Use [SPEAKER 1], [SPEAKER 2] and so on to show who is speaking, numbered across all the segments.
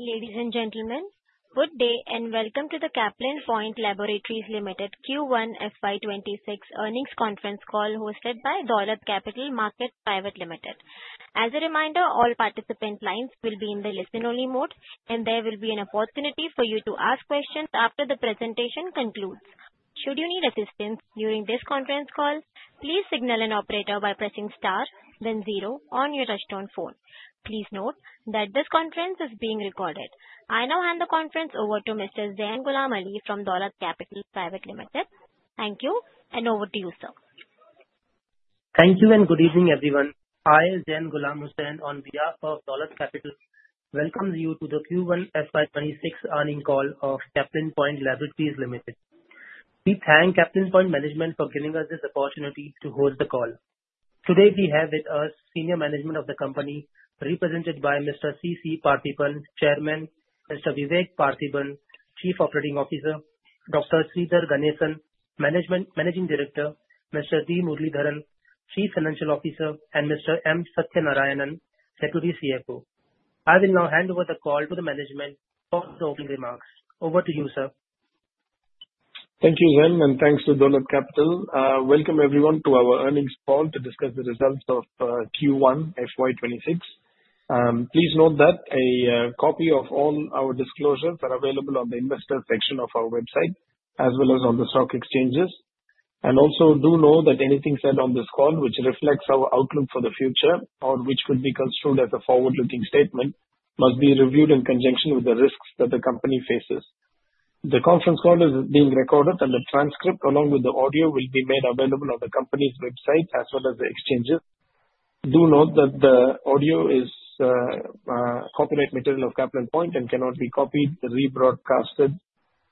[SPEAKER 1] Ladies and gentlemen, good day and welcome to the Caplin Point Laboratories Limited Q1 FY 2026 earnings conference call hosted by Dolat Capital Market Private Limited. As a reminder, all participant lines will be in the listen-only mode and there will be an opportunity for you to ask questions after the presentation concludes. Should you need assistance during this conference call, please signal an operator by pressing star then zero on your touchtone phone. Please note that this conference is being recorded. I now hand the conference over to Mr. Zain Gulam Hussain from Dolat Capital Market Private Limited. Thank you and over to you, sir.
[SPEAKER 2] Thank you and good evening everyone. I, Zain Gulam Hussain, on behalf of Dolat Capital Market Private Limited, welcome you to the Q1 FY 2026 earnings call of Caplin Point Laboratories Limited. We thank Caplin Point Management for giving us this opportunity to hold the call. Today we have with us senior management of the company represented by Mr. C.C. Paarthipan, Chairman, Mr. Vivek Partheeban, Chief Operating Officer, Dr. Sridhar Ganesan, Managing Director, Mr. D. Muralidharan, Chief Financial Officer, and Mr. M. Sathya Narayanan, Deputy CFO. I will now hand over the call to the management for the opening remarks. Over to you, sir.
[SPEAKER 3] Thank you Zain. Thank you to Dolat Capital. Welcome everyone to our earnings call to discuss the results of Q1 FY 2026. Please note that a copy of all our disclosures is available on the investors section of our website as well as on the stock exchanges. Please also note that anything said on this call which reflects our outlook for the future or which could be construed as a forward-looking statement must be reviewed in conjunction with the risks that the company faces. The conference call is being recorded and the transcript along with the audio will be made available on the company's website as well as the exchanges. Please note that the audio is copyright material of Caplin Point and cannot be copied, rebroadcast,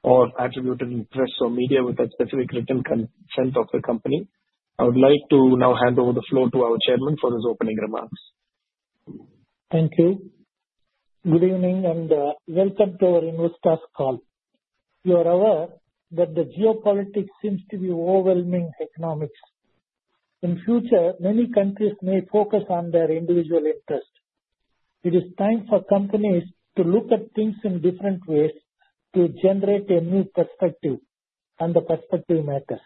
[SPEAKER 3] or attributed in press or media without specific written consent of the company. I would like to now hand over the floor to our Chairman for his opening remarks.
[SPEAKER 4] Thank you. Good evening and welcome to our investors call. You are aware that the geopolitics seems to be overwhelming economics. In future, many countries may focus on their individual interest. It is time for companies to look at things in different ways to generate a new perspective on the perspective matters.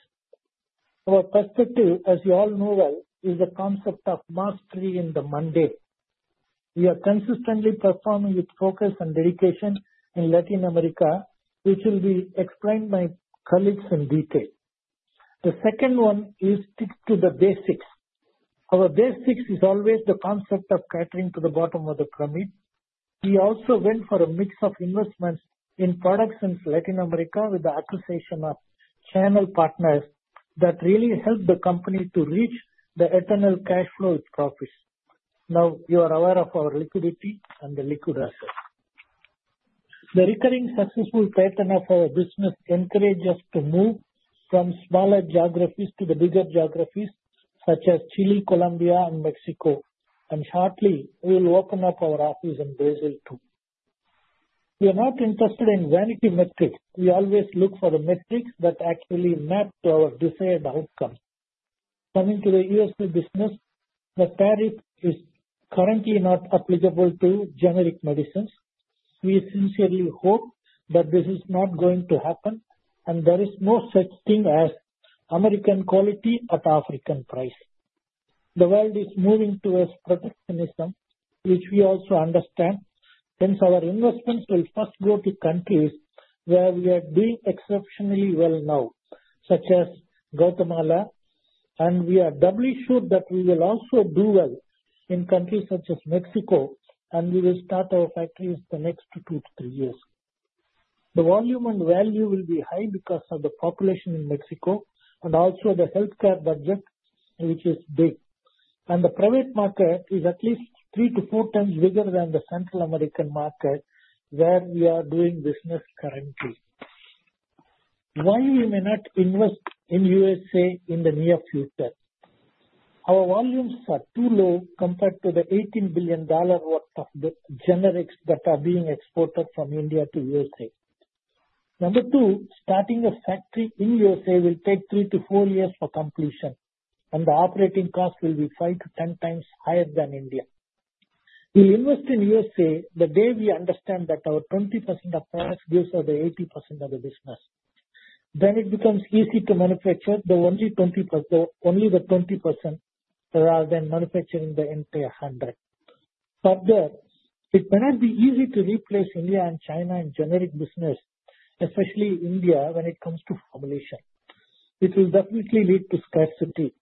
[SPEAKER 4] Our perspective, as you all know well, is a concept of mastery in the mundane. We are consistently performing with focus and dedication in Latin America, which will be explained by colleagues in detail. The second one is stick to the basics. Our basics is always the concept of catering to the bottom of the pit. He also went for a mix of investments in products in Latin America with the acquisition of channel partners that really help the company to reach the eternal cash flow with profits. Now you are aware of our liquidity and the liquid asset. The recurring successful pattern of our business encourages us to move from smaller geographies to the bigger geographies such as Chile, Colombia, and Mexico. Shortly, we will open up our office in Brazil too. We are not interested in vanity metrics. We always look for a metric that actually maps to our desired outcome. Coming to the U.S. business, the tariff is currently not applicable to generic medicines. We sincerely hope that this is not going to happen and there is no such thing as American quality but African price. The world is moving towards protectionism, which we also understand. Hence, our investments will first go to countries where we are doing exceptionally well now, such as Guatemala. We are doubly sure that we will also do well in countries such as Mexico. We will start our factories in the next two to three years. The volume and value will be high because of the population in Mexico and also the health care budget, which is big. The private market is at least three to four times bigger than the Central American market where we are doing business currently. Why we may not invest in the U.S. in the near future? Our volumes are too low compared to the $18 billion of the generics that are being exported from India to the U.S. Number two, starting a factory in the U.S. will take three to four years for completion and the operating cost will be five to ten times higher than India. We'll invest in the U.S. the day we understand that our 20% of price gives us the 80% of the business. Then it becomes easy to manufacture the only 20%. Only the 20% rather than manufacturing the entire hundred. It may not be easy to replace India and China in the generic business, especially India when it comes to formulation. It will definitely lead to scarcity.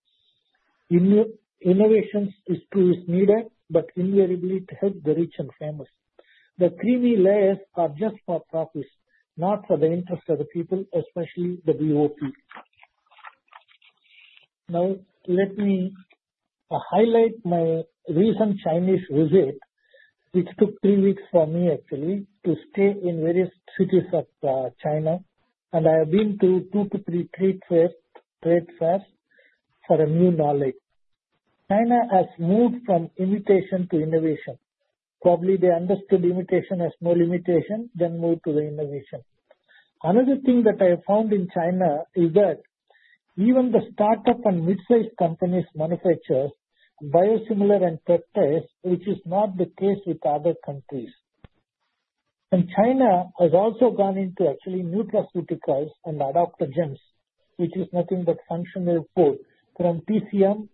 [SPEAKER 4] Innovation is true, is needed, but invariably to help the rich and famous. The 3V layers are just for profits, not for the interests of the people, especially the dop. Now let me highlight my recent Chinese visit, which took three weeks for me actually to stay in various cities of China. I have been to 2-3 trade fairs for new knowledge. China has moved from imitation to innovation. Probably they understood imitation has no limitation, then moved to innovation. Another thing that I found in China is that even the startup and mid-sized companies manufacture Biosimilars and Peptides. It is not the case with other countries, and China has also gone into actually nutraceuticals and adaptogens, which is nothing but functional food from PCM,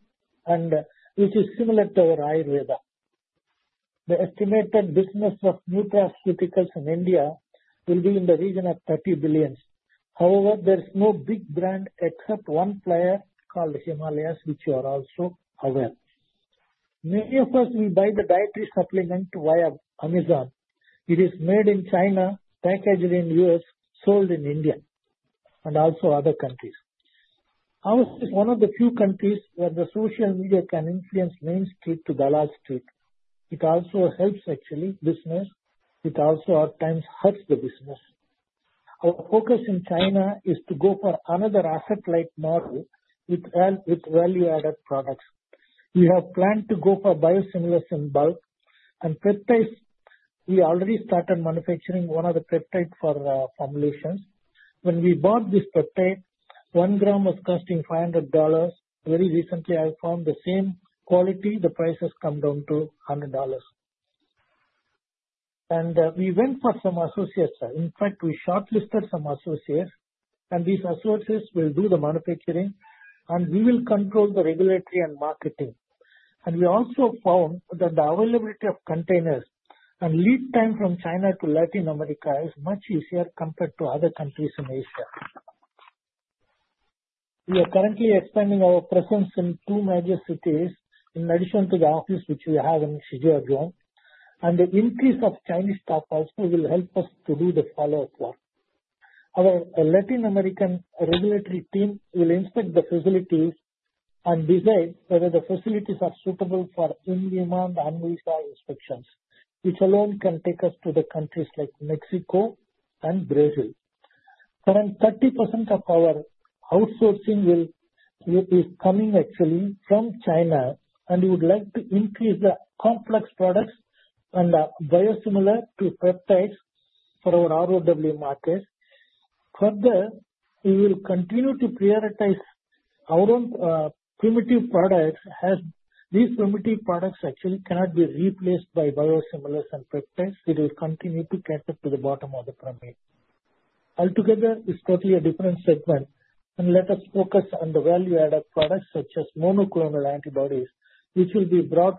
[SPEAKER 4] and it is similar to our Ayurveda. The estimated business of nutraceuticals in India will be in the region of $30 billion. However, there is no big brand except one player called Himalaya, which you are also aware. Many of us will buy the dietary supplement via Amazon. It is made in China, packaged in the U.S., sold in India and also other countries. House is one of the few countries where the social media can influence Main Street to Gala Street. It also helps actually business. It also at times helps the business focus in China is to go for another asset like Norway and its value-added products. You have planned to go for Biosimilars in bulk and Peptides. We already started manufacturing one of the Peptides for formulations. When we bought this peptide, 1 gram was costing $500. Very recently I found the same quality, the price has come down to $100, and we went for some associates. In fact, we shortlisted some associates, and these resources will do the manufacturing, and we will control the regulatory and marketing. We also found that the availability of containers and lead time from China to Latin America is much easier compared to other countries in Asia. We are currently expanding our presence in two major cities in addition to the office which we have in Shijiazhuang. The increase of Chinese stock also will help us to do the follow-up work. Our Latin American regulatory team will inspect the facilities and decide whether the facilities are suitable for in-demand unresolved inspections, which alone can take us to the countries like Mexico and Brazil. Current 30% of our outsourcing is coming actually from China, and we would like to increase the complex products and biosimilar Peptides for our ROW market. Further, we will continue to prioritize our own primitive products as these primitive products actually cannot be replaced by Biosimilars and Peptides. It will continue to cater to the bottom of the pyramid altogether. It's totally a different segment, and let us focus on the value-added products such as monoclonal antibodies, which will be brought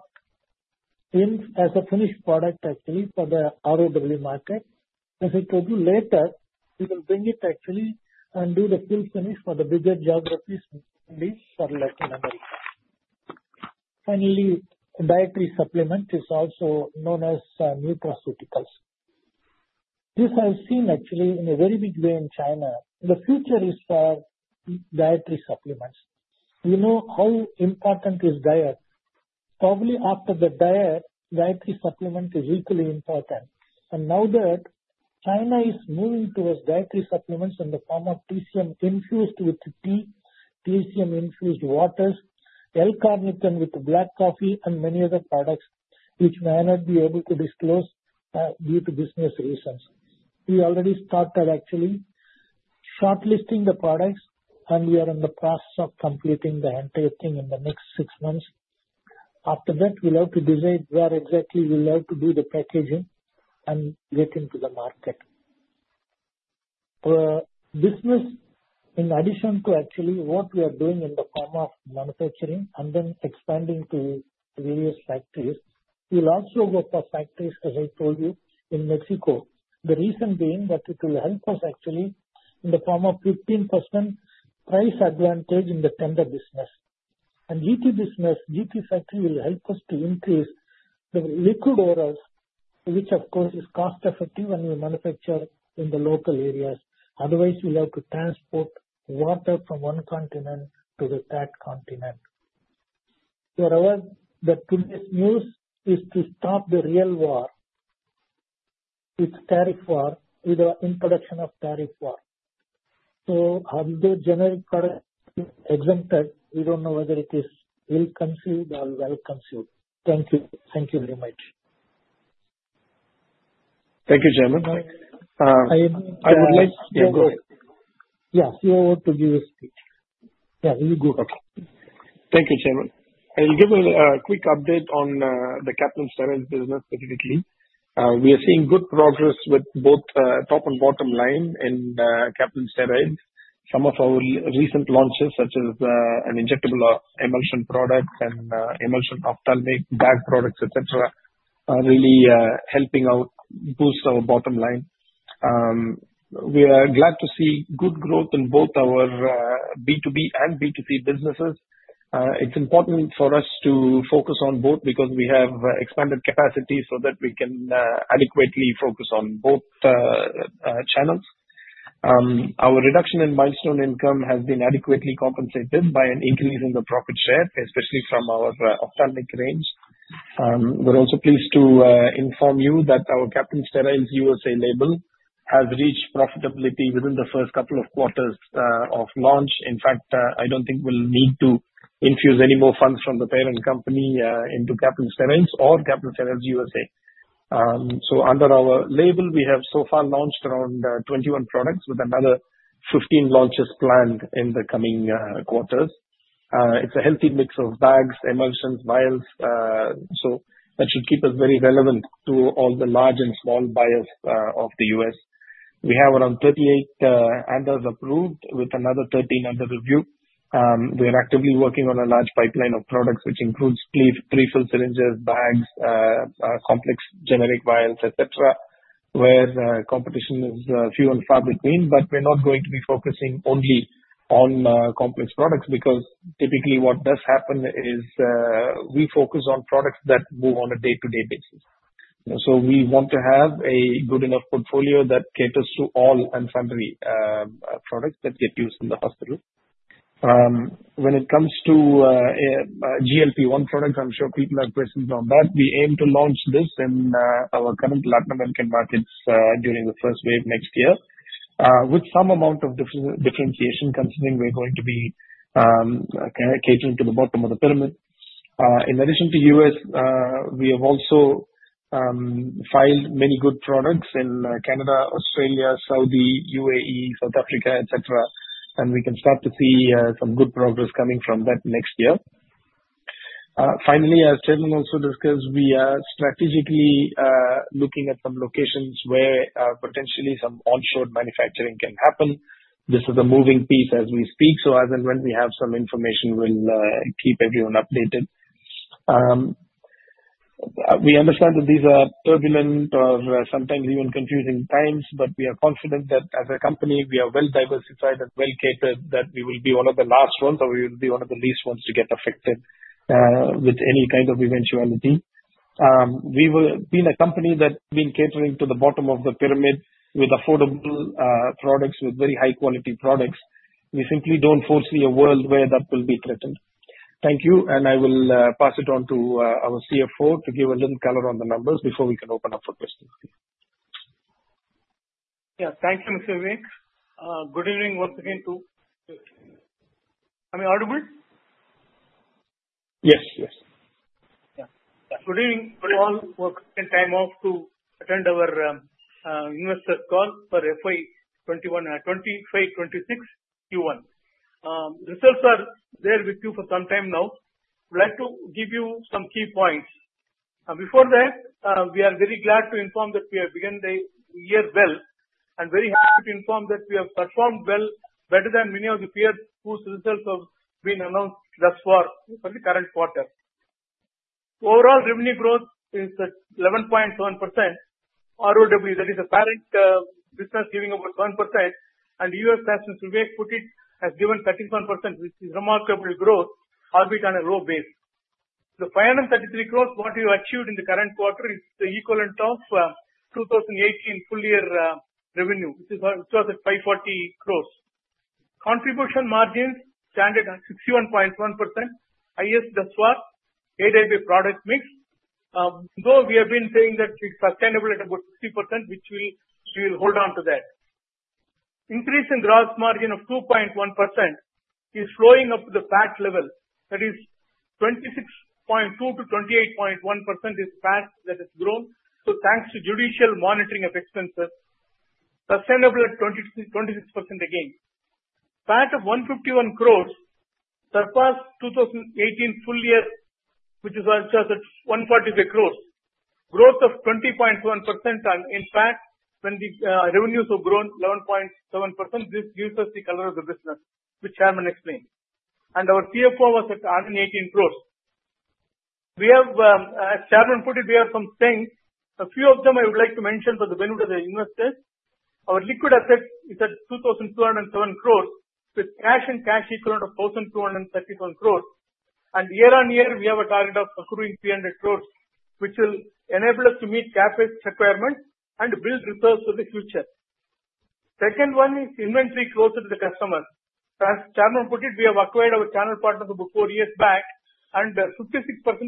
[SPEAKER 4] in as a finished product actually for the ROW market. As I told you later, we will bring it actually and do the fill finish for the bigger geographies. This for memory. Finally, dietary supplement is also known as nutraceuticals. This I've seen actually in a very big way in China. The future is for dietary supplements. You know how important is diet? Probably after the diet, dietary supplement is equally important. Now that China is moving towards dietary supplements in the form of PCM infused with tea, calcium infused waters, L-carnitine with black coffee, and many other products which may not be able to disclose due to business reasons. We already started actually shortlisting the products earlier in the process of completing the entire thing in the next six months after that. You love to decide where exactly? We love to do the packaging and get into the market business. In addition to actually what we are doing in the form of manufacturing and then expanding to various factories, you'll also get the factories as I told you in Mexico. The reason being that it will help us actually in the form of 15% price advantage in the tender business and GT business. GT factory will help us to increase the liquid orders, which of course is cost effective when we manufacture in the local areas. Otherwise, we have to transport water from one continent to the third continent. The news is to stop the real war, even in production of tariff war. So how they generate exempted, we don't know whether it is ill concealed or well concealed. Thank you. Thank you very much.
[SPEAKER 3] Thank you, Chairman.
[SPEAKER 4] I would like their goal. You want to give a speech?
[SPEAKER 3] Thank you, Chairman. I'll give a quick update on the Caplin Steriles business. Specifically, we are seeing good progress with both top and bottom line in Caplin Steriles. Some of our recent launches, such as injectable emulsion products and emulsion bag products, etc., are really helping boost our bottom line. We are glad to see good growth in both our B2B and B2C businesses. It's important for us to focus on both because we have expanded capacity so that we can adequately focus on both channels. Our reduction in milestone income has been adequately compensated by an increase in the profit share, especially from our optimal range. We're also pleased to inform you that our Caplin Steriles USA label has reached profitability within the first couple of quarters of launch. In fact, I don't think we'll need to infuse any more funds from the parent company into Caplin Steriles or Caplin Steriles USA Under our label, we have so far launched around 21 products with another 15 launches planned in the coming quarters. It's a healthy mix of bags, emulsions, vials, so that should keep it very relevant to all the large and small buyers of the U.S. We have around 38 ANDAs approved with another 13 under review. We are actively working on a large pipeline of products, which includes prefilled syringes, bags, complex generic vials, etc., where competition is few and far between. We're not going to be focusing only on complex products because typically what does happen is we focus on products that move on a day-to-day basis. We want to have a good enough portfolio that caters to all unfamiliar products that get used in the hospital. When it comes to GLP-1 products, I'm sure people are present on that. We aim to launch this in our current Latin American markets during the first half of next year with some amount of differentiation, considering we're going to be catering to the bottom of the pyramid. In addition to the U.S., we have also filed many good products in Canada, Australia, Saudi, UAE, South Africa, etc., and we can start to see some good progress coming from that next year. Finally, as Chairman also discussed, we are strategically looking at some locations where potentially some onshore manufacturing can happen. This is a moving piece as we speak. As and when we have some information, we'll keep everyone updated. We understand that these are turbulent or sometimes even confusing times, but we are confident that as a company we are well diversified and well prepared, that we will be one of the last ones or we will be one of the least ones to get affected with any kind of eventuality. We will be a company that has been catering to the bottom of the pyramid with affordable products with very high quality products. We simply don't foresee a world where that will be threatened. Thank you, and I will pass it on to our CFO to give a little color on the numbers before we can open up for questions.
[SPEAKER 5] Yeah, thanks Mr. Vivek. Good evening once again too. Am I audible?
[SPEAKER 3] Yes, yes.
[SPEAKER 5] Good evening. You all took time off to join our Investors call for FY 2025-2026 Q1 results. These are with you for some time now. I'd like to give you some key points before that. We are very glad to inform that we have begun the year well and very happy to inform that we have performed well, better than many of the peers whose results have been announced thus far. For the current quarter, overall revenue growth is 11.7%. Latin American business is giving about 1% and U.S. national business has given 31%, which is remarkable growth albeit on a low base. The 533 crores we achieved in the current quarter is the equivalent of 2018 full year revenue, which was at 540 crores. Contribution margin stands at 61.1%. This is thus far due to an adapted product mix, though we have been saying that it's sustainable at about 50%, which we will hold on to. That increase in gross margin of 2.1% is flowing up to the PAT level, that is, 26.2% to 28.1% PAT that has grown. Thanks to judicial monitoring of expenses, sustainable at 26%. Again, PAT of 151 crores surpassed 2018 full year, which was just at 143 crores, a growth of 20.7%. In fact, when the revenues have grown 11.7%, this gives us the color of the. Business which Chairman explained. Our CFO was at 118 crore. As Chairman put it, we have some things, a few of them I would like to mention for the benefit of the investors. Our liquid assets are at 2,207 crore with cash and cash equivalent of 1,231 crore. Year on year we have a target of accruing 300 crore which will enable us to meet CapEx requirements and build reserves for the future. Second one is inventory closer to the customer. As Chairman put it, we have acquired our channel partner four years back and 56%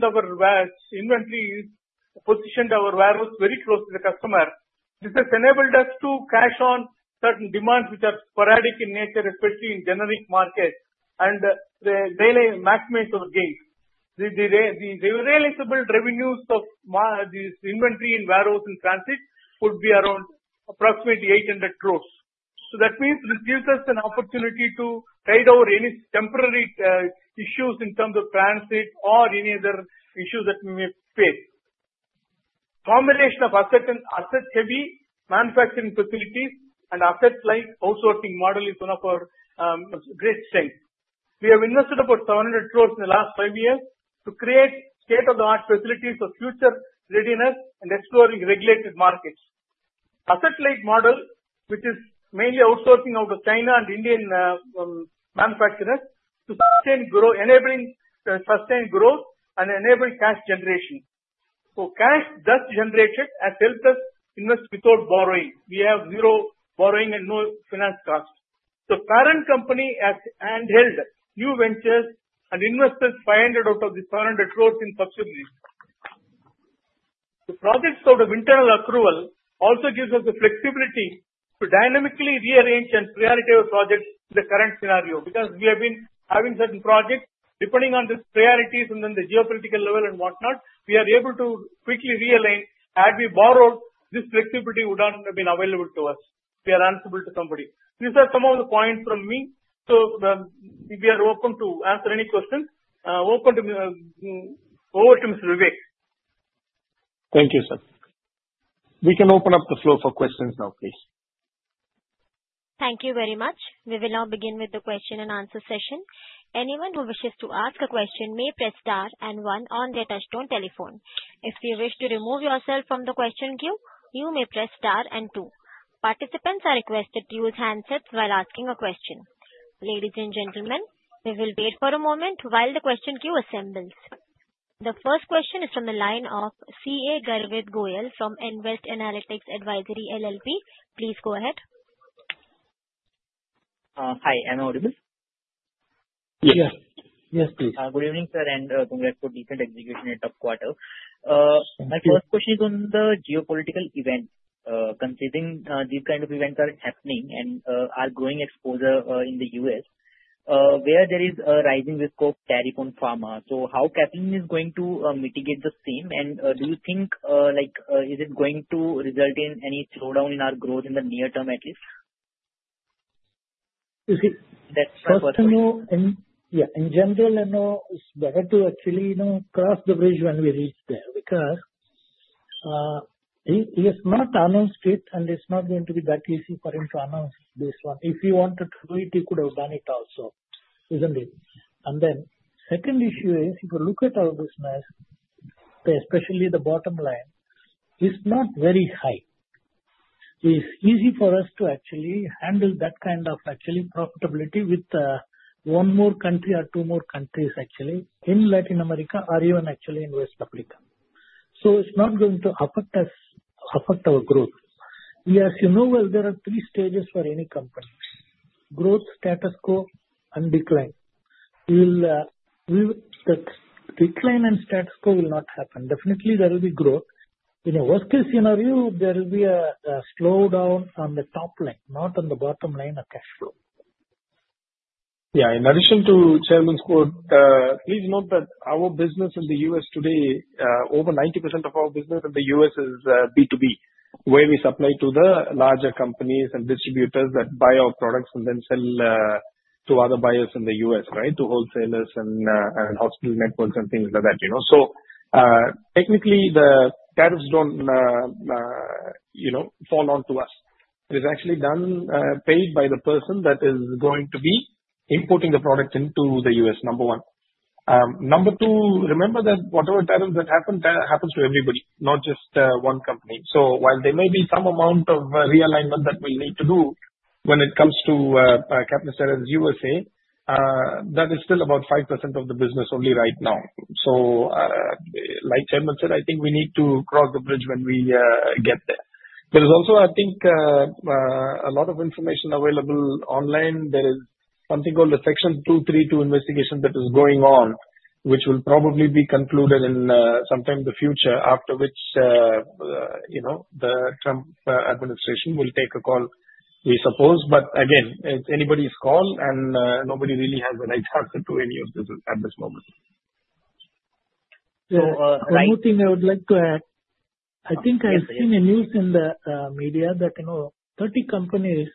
[SPEAKER 5] of our warehouse inventory is positioned in our warehouse very close to the customer. This has enabled us to cash on certain demands which are sporadic in nature, especially in the generics market, and maximize our gains. The realizable revenues of this inventory in warehouse and transit would be around approximately 800 crore. This gives us an opportunity to tide over any temporary issues in terms of transit or any other issues that we may face. Combination of assets and assets, heavy manufacturing facilities and asset-light outsourcing model is one of our great strengths. We have invested about 700 crore in the last five years to create state-of-the-art facilities for future readiness and exploring regulated markets. Asset-light model, which is mainly outsourcing out of China and Indian manufacturers, enabling sustained growth and enable cash generation. Cash that generated has helped us invest without borrowing. We have zero borrowing and no finance cost. The parent company has handheld new ventures and investors find it out of the 500 crore in subsidies. The project sort of internal accrual also gives us the flexibility to dynamically rearrange and prioritize projects. The current scenario, because we have been having certain projects depending on the priorities and then the geopolitical level and whatnot, we are able to quickly realign. Had we borrowed, this flexibility would not have been available to us. We are answerable to somebody. These are some of the points from me. We are welcome to answer any question. Welcome to over to Mr. Vivek Partheeban.
[SPEAKER 3] Thank you, sir. We can open up the floor for questions now, please.
[SPEAKER 1] Thank you very much. We will now begin with the question and answer session. Anyone who wishes to ask a question may press star and one on their touch-tone telephone. If you wish to remove yourself from the question queue, you may press star and two. Participants are requested to use handsets while asking a question. Ladies and gentlemen, we will wait for a moment while the question queue assembles. The first question is from the line of CA Garvit Goyal from Nvest Analytics Advisory LLP. Please go ahead.
[SPEAKER 6] Hi, am I audible?
[SPEAKER 4] Yes, yes please.
[SPEAKER 6] Good evening sir and congratulations. My first question is on the geopolitical event. Considering these kind of events are happening and our growing exposure in the U.S. where there is a rising risk of carry on pharma, how Caplin is going to mitigate the same and do you think like is it going to result in any slowdown in our growth in the near term at least?
[SPEAKER 4] Yeah, in general I know it's better to actually, you know, cross the bridge when we reach there because it is not a townhomes fit and it's not going to be bad cases for him to announce this one. If you wanted to do it, you could have done it also, isn't it? The second issue is if you look at our business especially the bottom line is not very high. It is easy for us to actually handle that kind of actually profitability with one more country or two more countries actually in Latin America or even actually in West Africa. It's not going to affect us, affect our growth. You know, there are three stages for any company: growth, status quo and decline. That decline and status quo will not happen. Definitely there will be growth. In a worst case scenario there will be a slowdown on the top line, not on the bottom line of cash flow.
[SPEAKER 3] Yeah. In addition to Chairman's quote, please note that our business in the U.S. today, over 90% of all business in the U.S. is B2B where we supply to the larger companies and distributors that buy our products and then sell to other buyers in the U.S., right to wholesalers and hospital networks and things like that. Technically, the tariffs don't fall on to us. It is actually paid by the person that is going to be importing the products into the U.S., number one. Number two, remember that whatever tariffs, that happens to everybody, not just one company. While there may be some amount of realignment that we need to do when it comes to Caplin Steriles USA, that is still about 5% of the business only right now. Like Chairman said, I think we need to cross the bridge when we get there. There is also, I think, a lot of information available online. There is something called the Section 232 Investigation that is going on, which will probably be concluded sometime in the future, after which, you know, the Trump administration will take a call, we suppose. Again, it's anybody's call and nobody really has a nice answer to any of this at this moment.
[SPEAKER 4] One more thing I would like to add. I think I've seen the news in the media that, you know, 30 companies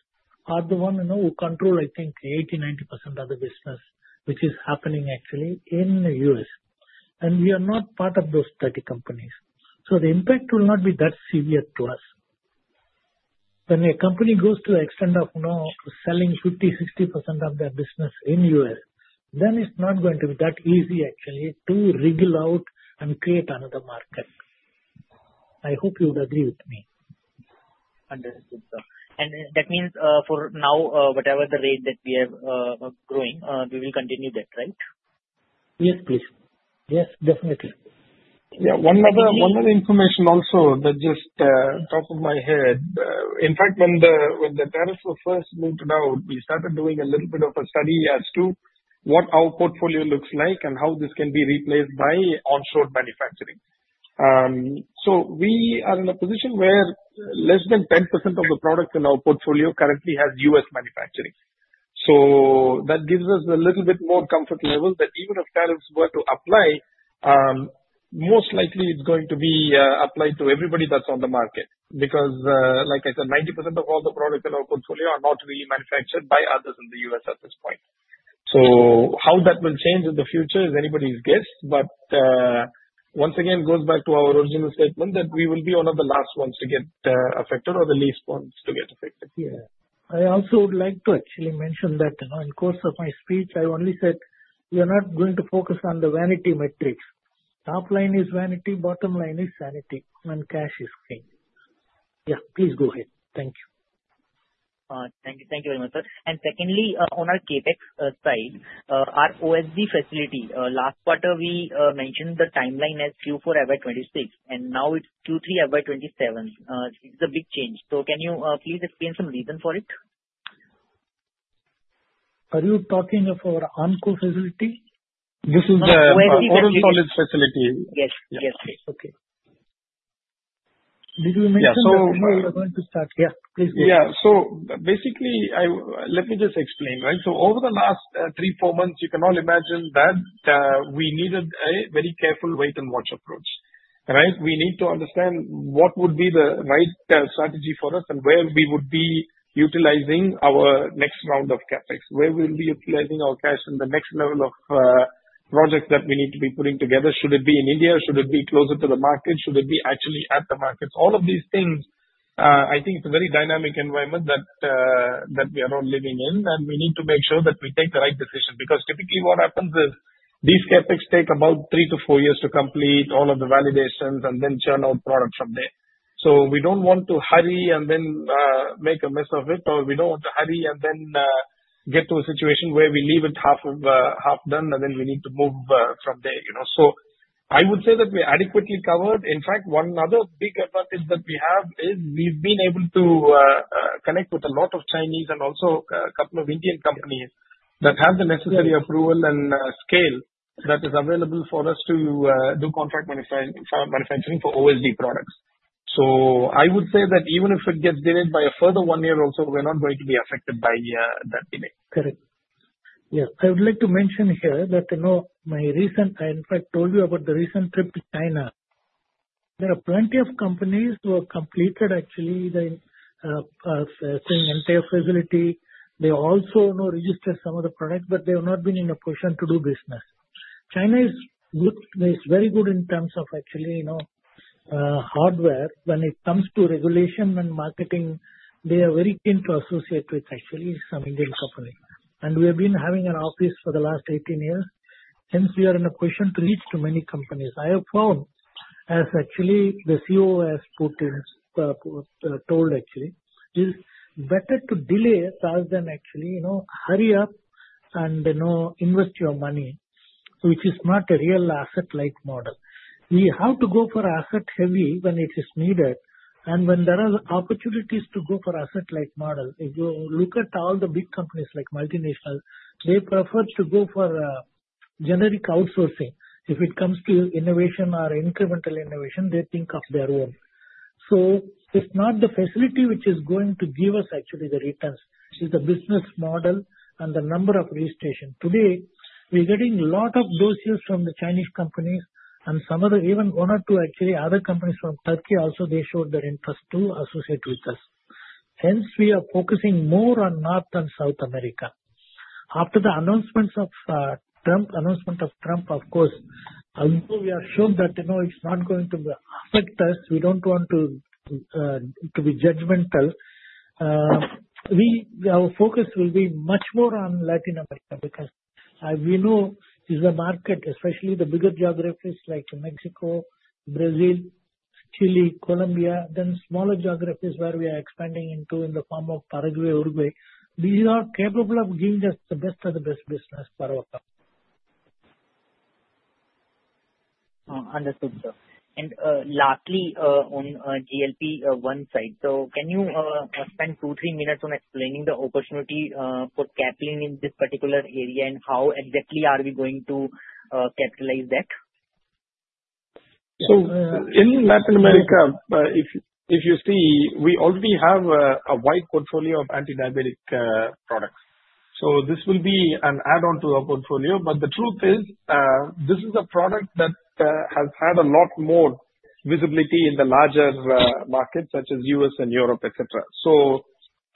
[SPEAKER 4] are the ones, you know, control, I think 80%-90% of the business, which is happening actually in the U.S., and we are not part of those 30 companies. The impact will not be that severe to us. When a company goes to the extent of now selling 50%-60% of their business in the U.S., then it's not going to be that easy actually to wriggle out and create another market. I hope you would agree with me.
[SPEAKER 6] Understood, sir. That means for now, whatever the rate that we have growing, we will continue that, right?
[SPEAKER 4] Yes, please. Yes, definitely.
[SPEAKER 3] Yeah. One other information also that just top of my head, in fact, when the tariffs were first moved out, we started doing a little bit of a study as to what our portfolio looks like and how this can be replaced by onshore manufacturing. We are in a position where less than 10% of the products in our portfolio currently has U.S. manufacturing. That gives us a little bit more comfort level that even if tariffs were to apply, most likely it's going to be applied to everybody that's on the market because like I said, 90% of all the products in our portfolio are not remanufactured by others in the U.S. at this point. How that will change in the future is anybody's guess. Once again, it goes back to our original statement that we will be one of the last ones to get affected or the least one.
[SPEAKER 4] Yeah, I also would like to actually mention that in course of my speech, I only said you're not going to focus on the vanity metrics. Top line is vanity, bottom line is sanity, and cash is king. Yeah, please go ahead. Thank you.
[SPEAKER 6] Thank you. Thank you very much, sir. Secondly, on our CapEx side, our OSD facility last quarter we mentioned the timeline as Q4 FY 2026, and now it's Q3 FY 2027. It's a big change. Can you please explain some reason for it?
[SPEAKER 4] Are you talking of our Anko facility?
[SPEAKER 3] This is the knowledge facility.
[SPEAKER 6] Yes, yes.
[SPEAKER 4] Okay. Did you mention to start? Yeah, please go.
[SPEAKER 3] Yeah. Basically, let me just explain. Over the last three, four months, you can all imagine that we needed a very careful wait and watch approach. We need to understand what would be the right strategy for us and where we would be utilizing our next round of CapEx, where we'll be utilizing our cash in the next level of projects that we need to be putting together. Should it be in India, should it be closer to the market, should it be actually at the markets, all of these things. I think it's a very dynamic environment that we are living in and we need to make sure that we take the right decision because typically what happens is these CapEx take about three to four years to complete all of the validations and then churn out products from there. We don't want to hurry and then make a mess of it or we don't want to hurry and then get to a situation where we leave it half done and then we need to move from there, you know. I would say that we adequately covered in fact one other big effective. What we have is we've been able. To connect with a lot of Chinese and also a couple of Indian companies that have the necessary approval and scale that is available for us to do contract manufacturing for OSD products. I would say that even if it gets delayed by a further one year also we're not going to be affected by that delay.
[SPEAKER 4] Correct?
[SPEAKER 3] Yes.
[SPEAKER 4] I would like to mention here that my recent, I in fact told you about the recent trip to China. There are plenty of companies who have completed actually seeing entire facility. They also know register some of the product, but they have not been in a position to do business. China is very good in terms of actually, you know, hardware. When it comes to regulation and marketing, they are very keen to associate with actually some Indian company, and we have been having an office for the last 18 years. Hence, we are in a position to reach to many companies. I have found as actually the CEO has put in, told actually is better to delay rather than actually, you know, hurry up and invest your money, which is not a real asset-light model. You have to go for asset-heavy when it is needed and when there are opportunities to go for asset-light model. If you look at all the big companies like multinational, they prefer to go for generic outsourcing. If it comes to innovation or incremental innovation, they think of their own. It's not the facility which is going to give us actually the returns, it's the business model and the number of registration. Today we're getting lot of doses from the Chinese company and some other, even one or two actually other companies from Turkey also. They showed their interest to associate with us. Hence, we are focusing more on North and South America. After the announcements of Trump, announcement of Trump, of course, we are shown that it's not going to affect us. We don't want to be judgmental. Our focus will be much more on Latin America because as we know is the market, especially the bigger geographies like Mexico, Brazil, Chile, Colombia, then smaller geographies where we are expanding into in the form of Paraguay, Uruguay. We are capable of giving the best of the best business for our company.
[SPEAKER 6] Understood. And lastly on GLP-1 side. Can you spend two, three minutes on explaining the opportunity for Caplin in this particular area and how exactly are we going to capitalize that?
[SPEAKER 3] In Latin America, if you see, we already have a wide portfolio of anti diabetic products. This will be an add-on to our portfolio. The truth is this is a product that has had a lot more visibility in the larger market such as the U.S. and Europe, etc.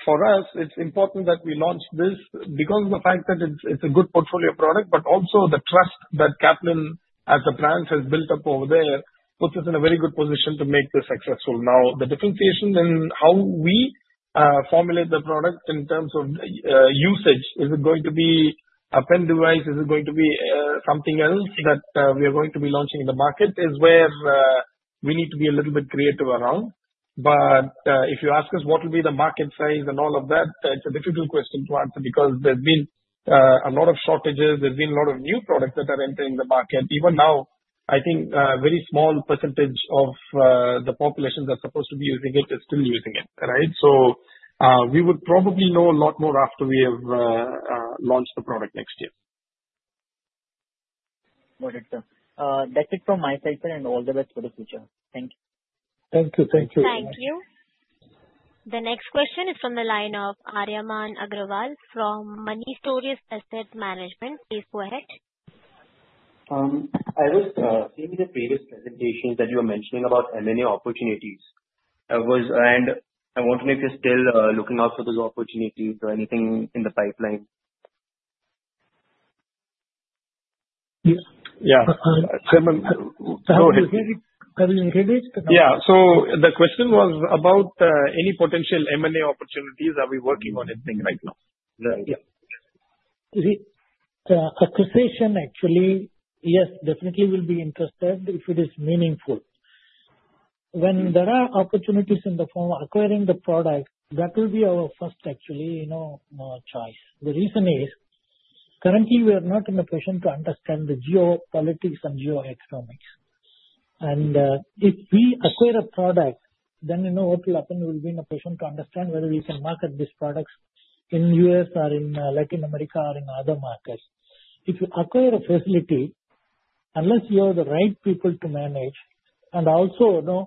[SPEAKER 3] For us, it's important that we launch this because of the fact that it's a good portfolio product. Also, the trust that Caplin has built up over there puts us in a very good position to make this successful. The differentiation in how we formulate the product in terms of usage, is it going to be a pen device, is it going to be something else that we are going to be launching in the market, is where we need to be a little bit creative around. If you ask us what will be the market size and all of that, it's a difficult question to answer because there's been a lot of shortages. There's been a lot of new products that are entering the market even now. I think a very small percentage of the population that's supposed to be using it is still using it. We would probably know a lot more after we have launched the product next year.
[SPEAKER 6] Got it sir. That's it from my side. All the best for the future. Thank you.
[SPEAKER 4] Thank you. Thank you.
[SPEAKER 1] Thank you. The next question is from the line of Aryamaan Agarwal from Money Stories Asset Management. Please go ahead.
[SPEAKER 7] In the previous presentations, you were mentioning about M&A opportunities. I want to know if you're still looking out for those opportunities or anything in the pipeline.
[SPEAKER 4] Yes.
[SPEAKER 3] Yeah. The question was about any potential M&A opportunities. Are we working on anything right now?
[SPEAKER 7] Right, yeah,
[SPEAKER 4] actually, yes, definitely will be interested if it is meaningful when there are opportunities in the form acquiring the product. That will be our first, actually, you know, choice. The reason is currently we are not in a position to understand the geopolitics and geo economics. If we acquire a product, then, you know, what will happen will be in a patient to understand whether we can market these products in the U.S. or in Latin America or in other markets. If you acquire a facility, unless you have the right people to manage, and also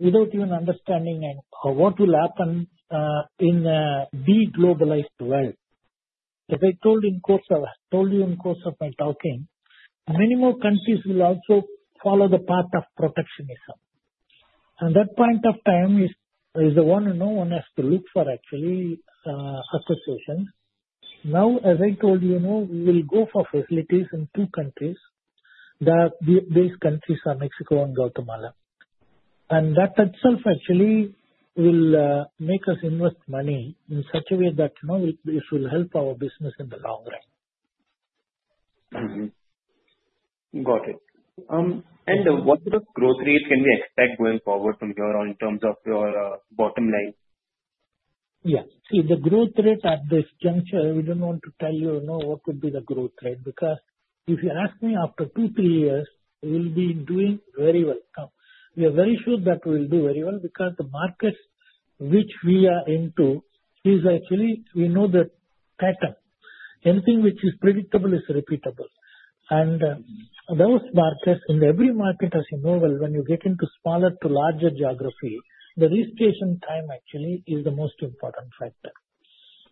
[SPEAKER 4] without even understanding what will happen in a de-globalized world. If I told you in course of my talking, many more countries will also follow the path of protectionism. At that point of time, one has to look for actually a proposition. Now, as I told you, we will go for facilities in two countries. The base countries are Mexico and Guatemala, and that itself actually will make us invest money in such a way that, you know, it will help our business in the long run.
[SPEAKER 7] Got it. What sort of growth rate can we expect going forward from here on in terms of your bottom line?
[SPEAKER 4] Yeah, see the growth rate at this juncture, we don't want to tell you know what could be the growth rate. Because if you ask me after two, three years we'll be doing very well. We very sure that we'll do very well. Because the markets which we are into is actually we know the theta. Anything which is predictable is repeatable. In those markets, in every market, as you know, when you get into smaller to larger geography, the registration time actually is the most important factor.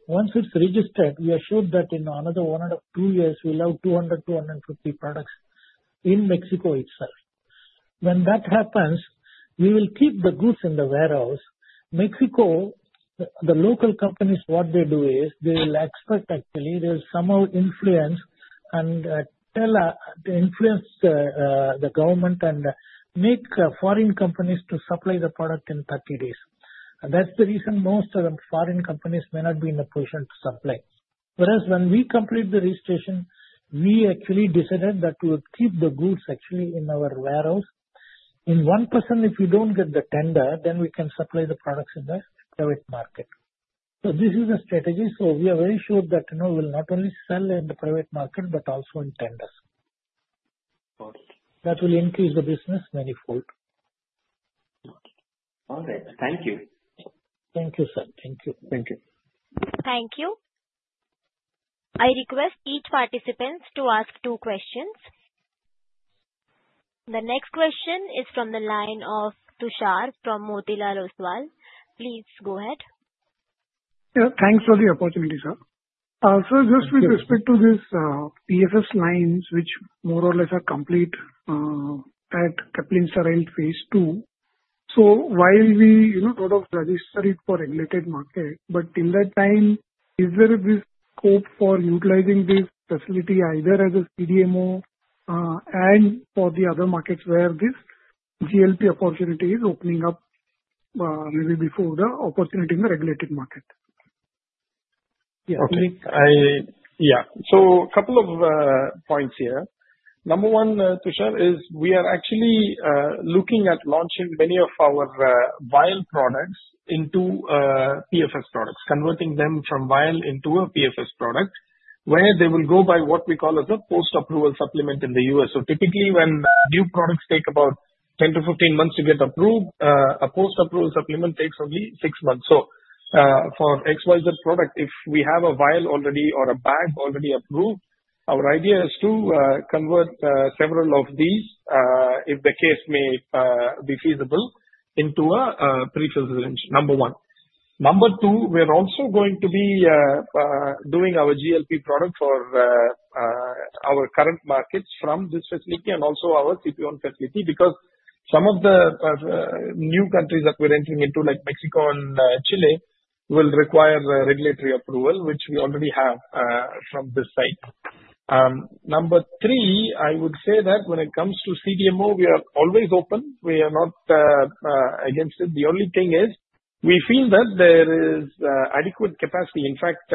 [SPEAKER 4] Once it's registered, we assured that in another one year we love 200, 250 products in Mexico itself. When that happens, you will keep the goods in the warehouse. In Mexico, the local companies, what they do is they will extract, actually they somehow influence and tell the influence the government and make foreign companies to supply the product in 30 days. That's the reason most foreign companies may not be in a position to supply. Whereas when we complete the registration, we actually decided that we will keep the goods actually in our warehouse in one person. If you don't get the tender, then we can supply the products in the direct market. This is the strategy. We are very sure that you know, will not only sell in the private market, but also in tenders that will increase the business manifold.
[SPEAKER 7] All right. Thank you.
[SPEAKER 4] Thank you, sir. Thank you. Thank you.
[SPEAKER 1] Thank you. I request each participant to ask two questions. The next question is from the line of Tushar from Motilal Oswal Financial Services. Please go ahead.
[SPEAKER 8] Yeah, thanks for the opportunity, sir. Just with respect to this, PFS lines which more or less are complete at Caplin Steriles phase II. While we, you know, sort of register it for regulated market, in that time is there scope for utilizing this facility either as a CDMO and for the other markets where this GLP-1 opportunity is opening up, maybe before the opportunity in the regulated market?
[SPEAKER 3] Yeah. So a couple of points here. Number one, Tushar, is we are actually looking at launching many of our vial products into PFS products, converting them from vial into a PFS product where they will go by what we call as a post approval supplement in the U.S. Typically, when new products take about 10-15 months to get approved, a post approval supplement takes only six months. For XYZ product, if we have a vial already or a bag already approved, our idea is to convert several of these, if the case may be feasible, into a pre-filled range. Number one. Number two, we're also going to be doing our GLP-1 product for our current markets from this facility and also our CP153 because some of the new countries that we're entering into, like Mexico and Chile, will require the regulatory approval which we already have from this site. Number three, I would say that when it comes to CDMO, we are always open, we are not against it. The only thing is we feel that there is adequate capacity. In fact,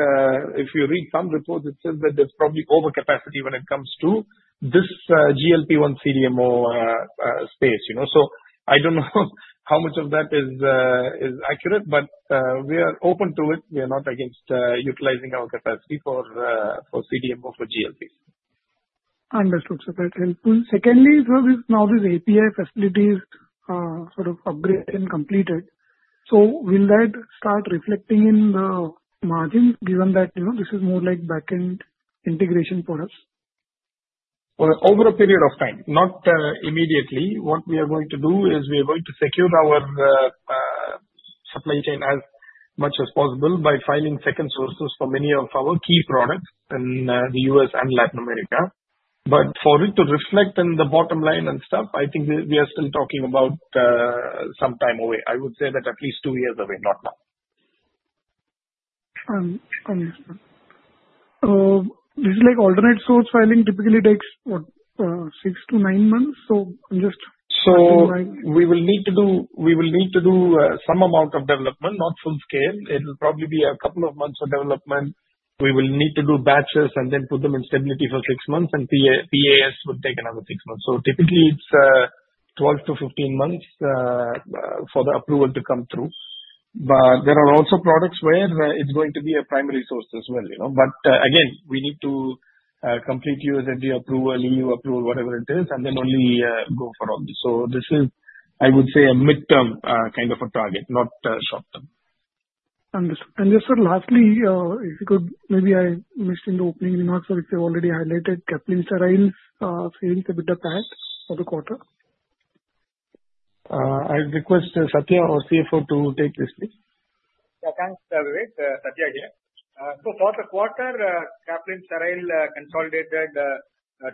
[SPEAKER 3] if you read some reports, it says that there's probably overcapacity when it comes to this GLP-1 CDMO space. I don't know how much of that is accurate, but we are open to it. We are not against utilizing our capacity for CDMO for GLP.
[SPEAKER 8] Understood, that's helpful. Secondly, now this API facilities sort of upgrade and completed. Will that start reflecting in margin given that you know, this is more like backend integration for us over a.
[SPEAKER 3] Period of time, not immediately. What we are going to do is we are going to secure our supply chain as much as possible by finding second sources for many of our key products in the U.S. and Latin America. For it to reflect in the bottom line and stuff, I think we are still talking about some time away. I would say that at least two years away, not now. This is like alternate source filing, typically takes six to nine months. We will need to. We will need to do some amount of development, not full scale. It'll probably be a couple of months of development. We will need to do batches and then put them in stability for six months, and PAs would take another six months. Typically, it's 12 to 15 months for the approval to come through, but there are also products where it's going to be a primary source as well. Again, we need to complete U.S. approval, EU approval, whatever it is, and then only go for all this. This is, I would say, a midterm kind of a target, not.
[SPEAKER 8] Sir, lastly if you could maybe I missed in the opening remarks which I already highlighted, Caplin Point.
[SPEAKER 3] I request Sathya or CFO to take this.
[SPEAKER 5] Yeah, thanks. For the quarter, Caplin Point Consolidated.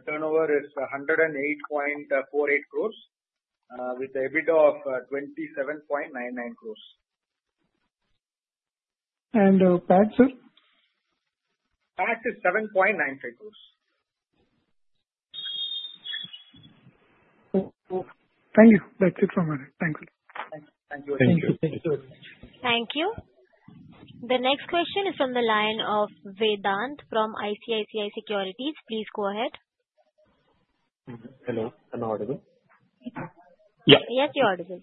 [SPEAKER 5] Turnover is 108.48 crore with EBITDA of 27.99 crore.
[SPEAKER 8] PAT, sir,
[SPEAKER 5] PAT is 7.95 crores.
[SPEAKER 8] Thank you. That's it for me. Thanks.
[SPEAKER 1] Thank you. The next question is from the line of Vedant from ICICI Securities. Please go ahead.
[SPEAKER 9] Hello. Am I audible?
[SPEAKER 3] Yeah.
[SPEAKER 1] Yes, you're audible.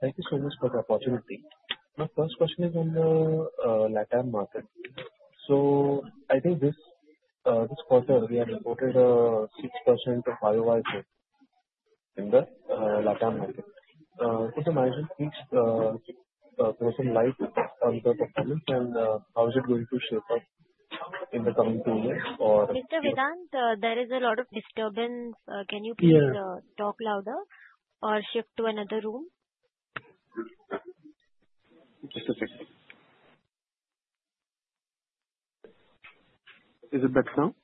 [SPEAKER 9] Thank you so much for the opportunity. My first question is in the Latin America market. I think this quarter we have imported a 6% in the Latin America market. Keeps present like. How is it going to shape in the coming two years?
[SPEAKER 1] Mr. Vedant, there is a lot of disturbance. Can you please talk louder or shift to another room?
[SPEAKER 9] Is it better now?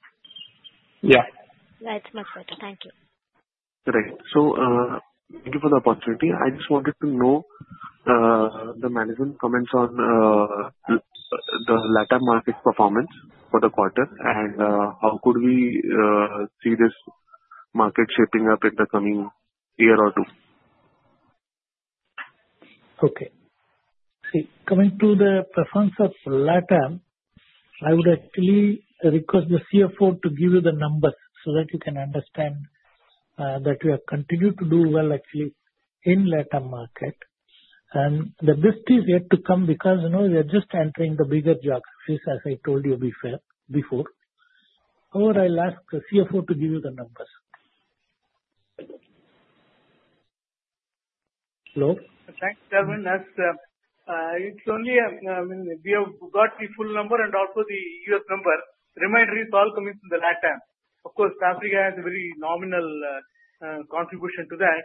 [SPEAKER 3] Yeah,
[SPEAKER 1] yeah, it's much better. Thank you.
[SPEAKER 9] Thank you for the opportunity. I just wanted to know the management comments on the Latin America market performance for the quarter and how could we see this market shaping up in the coming year or two.
[SPEAKER 4] Okay. See, coming to the performance of Latin America, I would actually request the CFO to give you the numbers so that you can understand that we have continued to do well in the Latin America market, and the best is yet to come because, you know, we are just answering. The bigger job is, as I told you before last year, to give you the numbers. Hello.
[SPEAKER 5] Thanks, Darwin. As it's only. I mean we have got the full number and also the U.S. number. Reminder is all coming from the Latin America. Of course, Africa has a very nominal contribution to that.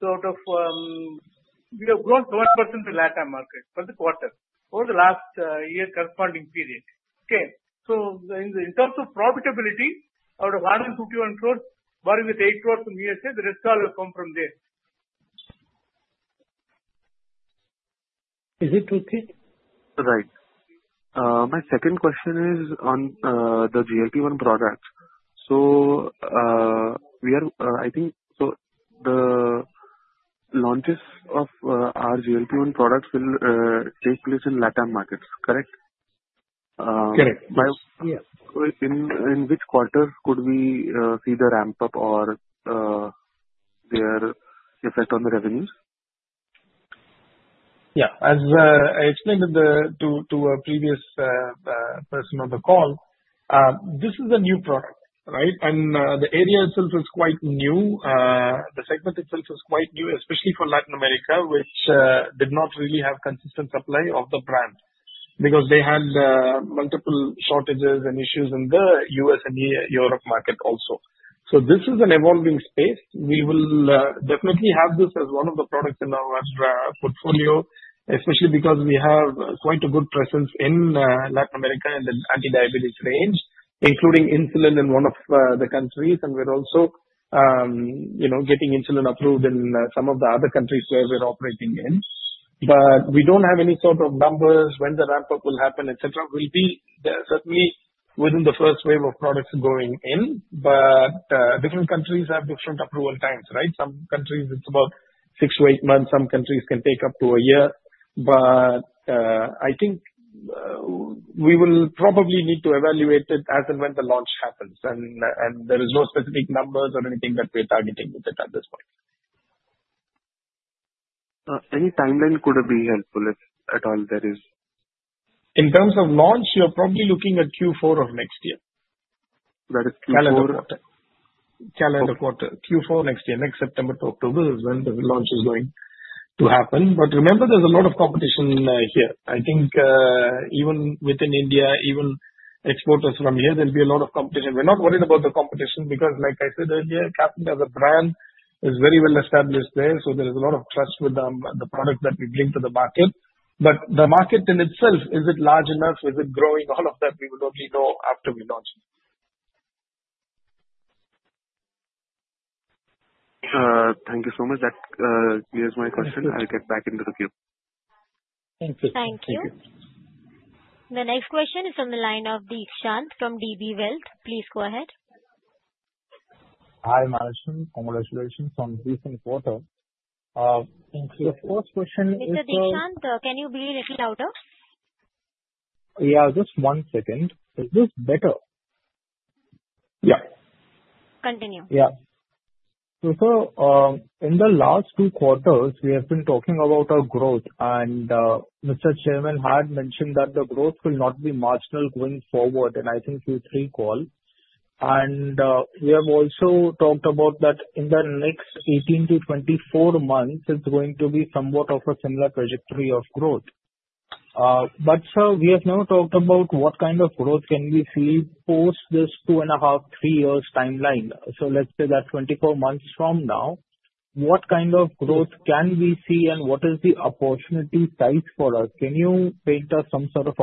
[SPEAKER 5] We have grown 12% in the Latin America market for the quarter over the last year corresponding period. In terms of profitability, out of 151 crores, barring the 8 crores from U.S.A., the rest all will come from there.
[SPEAKER 4] Is it okay?
[SPEAKER 9] Right. My second question is on the GLP-1 products. The launches of our GLP-1 products will take place in Latin America markets, correct?
[SPEAKER 4] Yes.
[SPEAKER 9] In which quarter could we see the ramp up or their effect on the revenues?
[SPEAKER 3] Yeah. As I explained to a previous person on the call, this is a new product. Right. The area itself is quite new. The segment itself is quite new, especially for Latin America, which did not really have consistent supply of the brand because they had multiple shortages and issues in the U.S. and Europe market also. This is an evolving space. We will definitely have this as one of the products in our portfolio, especially because we have quite a good presence in Latin America and the anti diabetes range, including insulin in one of the countries, and we're also, you know, getting insulin approved in some of the other countries where we're operating in, but we don't have any sort of numbers when the ramp up will happen, etc. It will be certainly within the first wave of products going in. Different countries have different approval times. Right? Some countries it's about six to eight months, some countries can take up to a year. I think we will probably need to evaluate it as and when the launch happens. There is no specific numbers or anything that we're targeting with it at this point.
[SPEAKER 9] Any timeline could be helpful if at all there is.
[SPEAKER 3] In terms of launch, you're probably looking at Q4 of next year. Q4 next year, next September to October is when the launch is going to happen. Remember, there's a lot of competition here. I think even within India, even exporters from here, there'll be a lot of competition. We're not worried about the competition because like I said earlier, Caplin as a brand is very well established there. There's a lot of trust with the product that we bring to the market. The market in itself, is it large enough, is it growing? All of that we would only know after we launch.
[SPEAKER 9] Thank you so much. That is my question. I'll get back into the queue.
[SPEAKER 4] Thank you.
[SPEAKER 1] Thank you. The next question is on the line of Deekshant from DB Wealth. Please go ahead.
[SPEAKER 10] Hi Marisan, congratulations on recent quarter. The first question.
[SPEAKER 1] Can you be a little louder?
[SPEAKER 10] Yeah, just one second. Is this better?
[SPEAKER 3] Yeah,
[SPEAKER 1] continue.
[SPEAKER 4] Yeah.
[SPEAKER 10] In the last three quarters we have been talking about our growth. Mr. Chairman had mentioned that the growth. Will not be marginal going forward. I think Q3 call, and we have also talked about that in the next 18-24 months it's going. To be somewhat of a similar trajectory of growth. We have never talked about what kind of growth can we see post this 2.5, 3 years timeline. Let's say that 24 months from now, what kind of growth can we see and what is the opportunity type for us? Can you paint us some sort of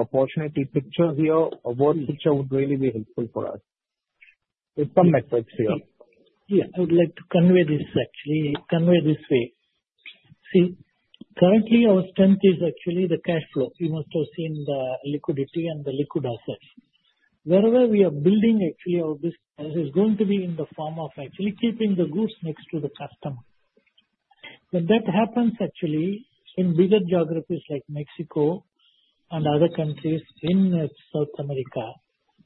[SPEAKER 10] opportunity picture here. What would really be helpful for us is some metrics here.
[SPEAKER 4] Yeah. Let's convey this actually some way this way. See, currently our strength is actually the cash flow. You must have seen the liquidity and the liquid assets. Wherever we are building actually, our business is going to be in the form of actually keeping the goods next to the customer. That happens actually in bigger geographies like Mexico and other countries in South America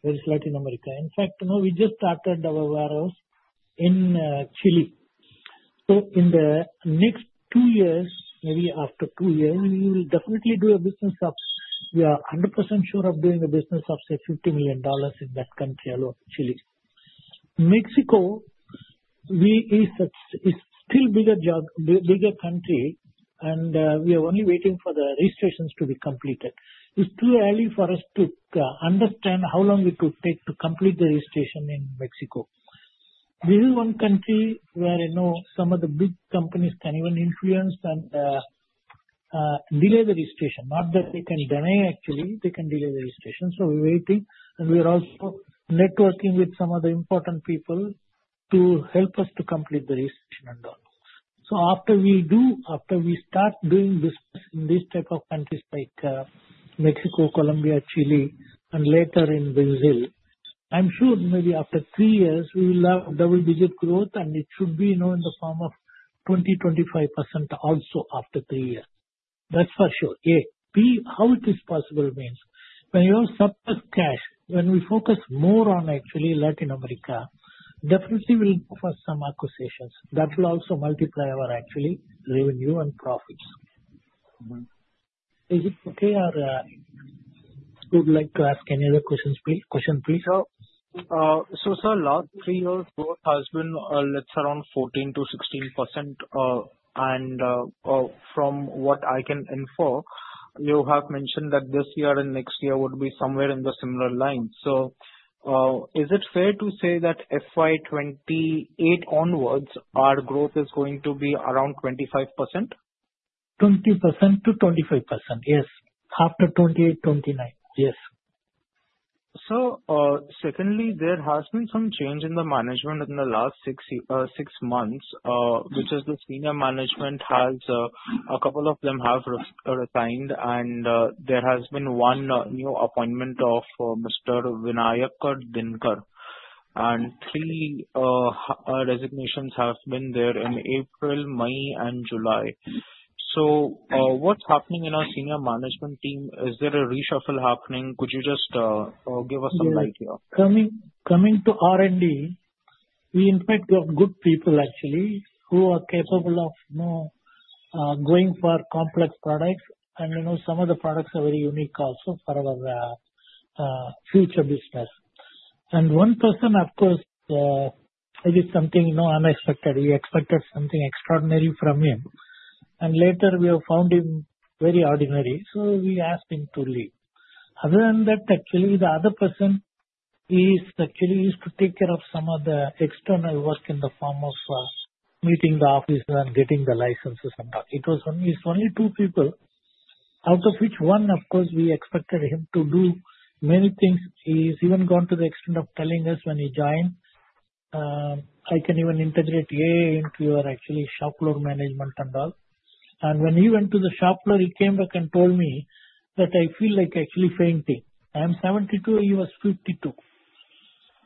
[SPEAKER 4] where it's Latin America. In fact, now we just started our warehouse in Chile. In the next two years, maybe after two years, we will definitely do a business of, yeah, and because I'm sure of doing the business of, say, $50 million in that country alone. Chile, Mexico is such, is still bigger job, bigger country, and we are only waiting for the registrations to be completed. It's too early for us to understand how long it would take to complete the registration in Mexico. This is one country where some of the big companies can even influence and delay the registration. Not that they can deny, actually they can delay the registration. We're waiting and we are also networking with some other important people to help us to complete the rest. After we start doing this in this type of countries like Mexico, Colombia, Chile, and later in Brazil, I'm sure maybe after three years, we will have double digit growth and it should be in the form of 20, 25% also after three years, that's for sure. How it is possible means when you surplus cash. When we focus more on actually Latin America, definitely will for some acquisitions that will also multiply our actually revenue and profits. Is it okay? Would like to ask any other questions, please. Question, please.
[SPEAKER 10] Sir, last female growth has been. Let's say around 14%-16%. From what I can infer, you have mentioned that this year and next year would be somewhere in the similar line. Is it fair to say that FY 2028 onwards our growth is going to be around
[SPEAKER 4] 20% to 25%? Yes, after 2028, 2029, yes.
[SPEAKER 10] Secondly, there has been some change in the management in the last six months, which is the Senior Management, a couple of them have resigned and there has been one new appointment. Of Mr. Vinayakar Dinkar and three designations. I have been there in April, May, and July. What's happening in our senior management team? Is there a reshuffle happening? Could you just give us some light here?
[SPEAKER 4] Coming to R&D, we in fact have good people actually who are capable of going for complex products, and some of the products are very unique also for our future business. One person, of course, is it something unexpected? He expected something extraordinary from him, and later we have found him very ordinary, so we asked him to leave. Other than that, actually, the other person is actually used to take care of some of the external work in the form of meeting the officer and getting the licenses. It was only two people, out of which one, of course, we expected him to do many things. He's even gone to the extent of telling us when he joined, "I can even integrate AI into your shop floor management and all." When he went to the shop floor, he came back and told me that, "I feel like actually fainting. I am 72." He was 52.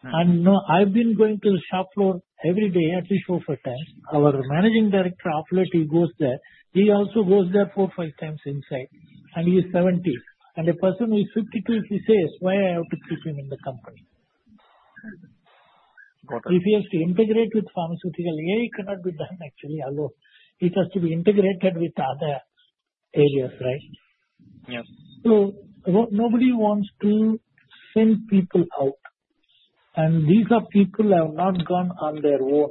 [SPEAKER 4] I've been going to the shop floor every day at least four or five times. Our Managing Director, he goes there. He also goes there four or five times inside, and he is 70. A person who is 52, if he says that, why do I have to keep him in the company? If he has to integrate with pharmaceutical AI, it cannot be done actually alone. It has to be integrated with other areas, right?
[SPEAKER 10] Yeah.
[SPEAKER 4] Nobody wants to send people out. These are people who have not gone on their own.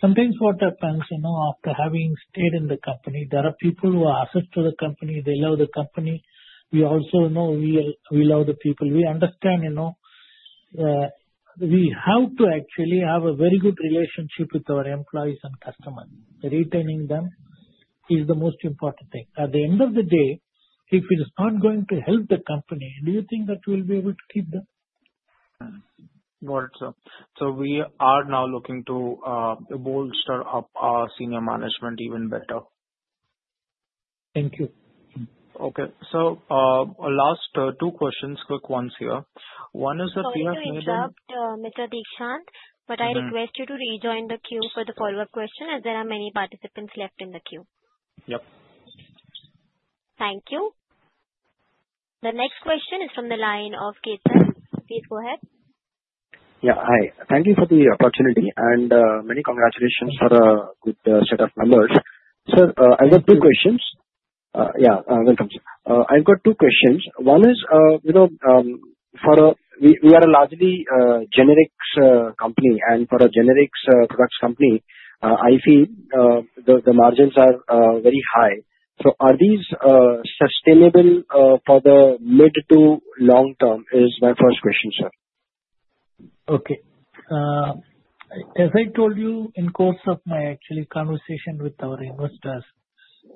[SPEAKER 4] Sometimes what happens, after having stayed in the company, there are people who are assets for the company. They love the company. We also know we love the people. We understand we have to actually have a very good relationship with our employees and customers. Retaining them is the most important thing. At the end of the day, if it is not going to help the company, do you think that we'll be able to keep them? We are now looking to bolster up our senior management even better.
[SPEAKER 10] Thank you. Okay, last two questions, quick ones here.
[SPEAKER 1] One is that Mr. Deekshant, I request you to rejoin the queue for the follow up question as there are many participants left in the queue. Thank you. The next question is from the line of Ketan. Please go ahead.
[SPEAKER 11] Yeah, hi, thank you for the opportunity and many congratulations for a good set of numbers. Sir, I've got two questions. Yeah, welcome. Sir, I've got two questions. One is, you know, for a. We are a largely generics company, and for a generics products company, I feel the margins are very high. Are these sustainable for the mid to long term? Is my first question, sir.
[SPEAKER 4] Okay. As I told you in course of my conversation with our investors,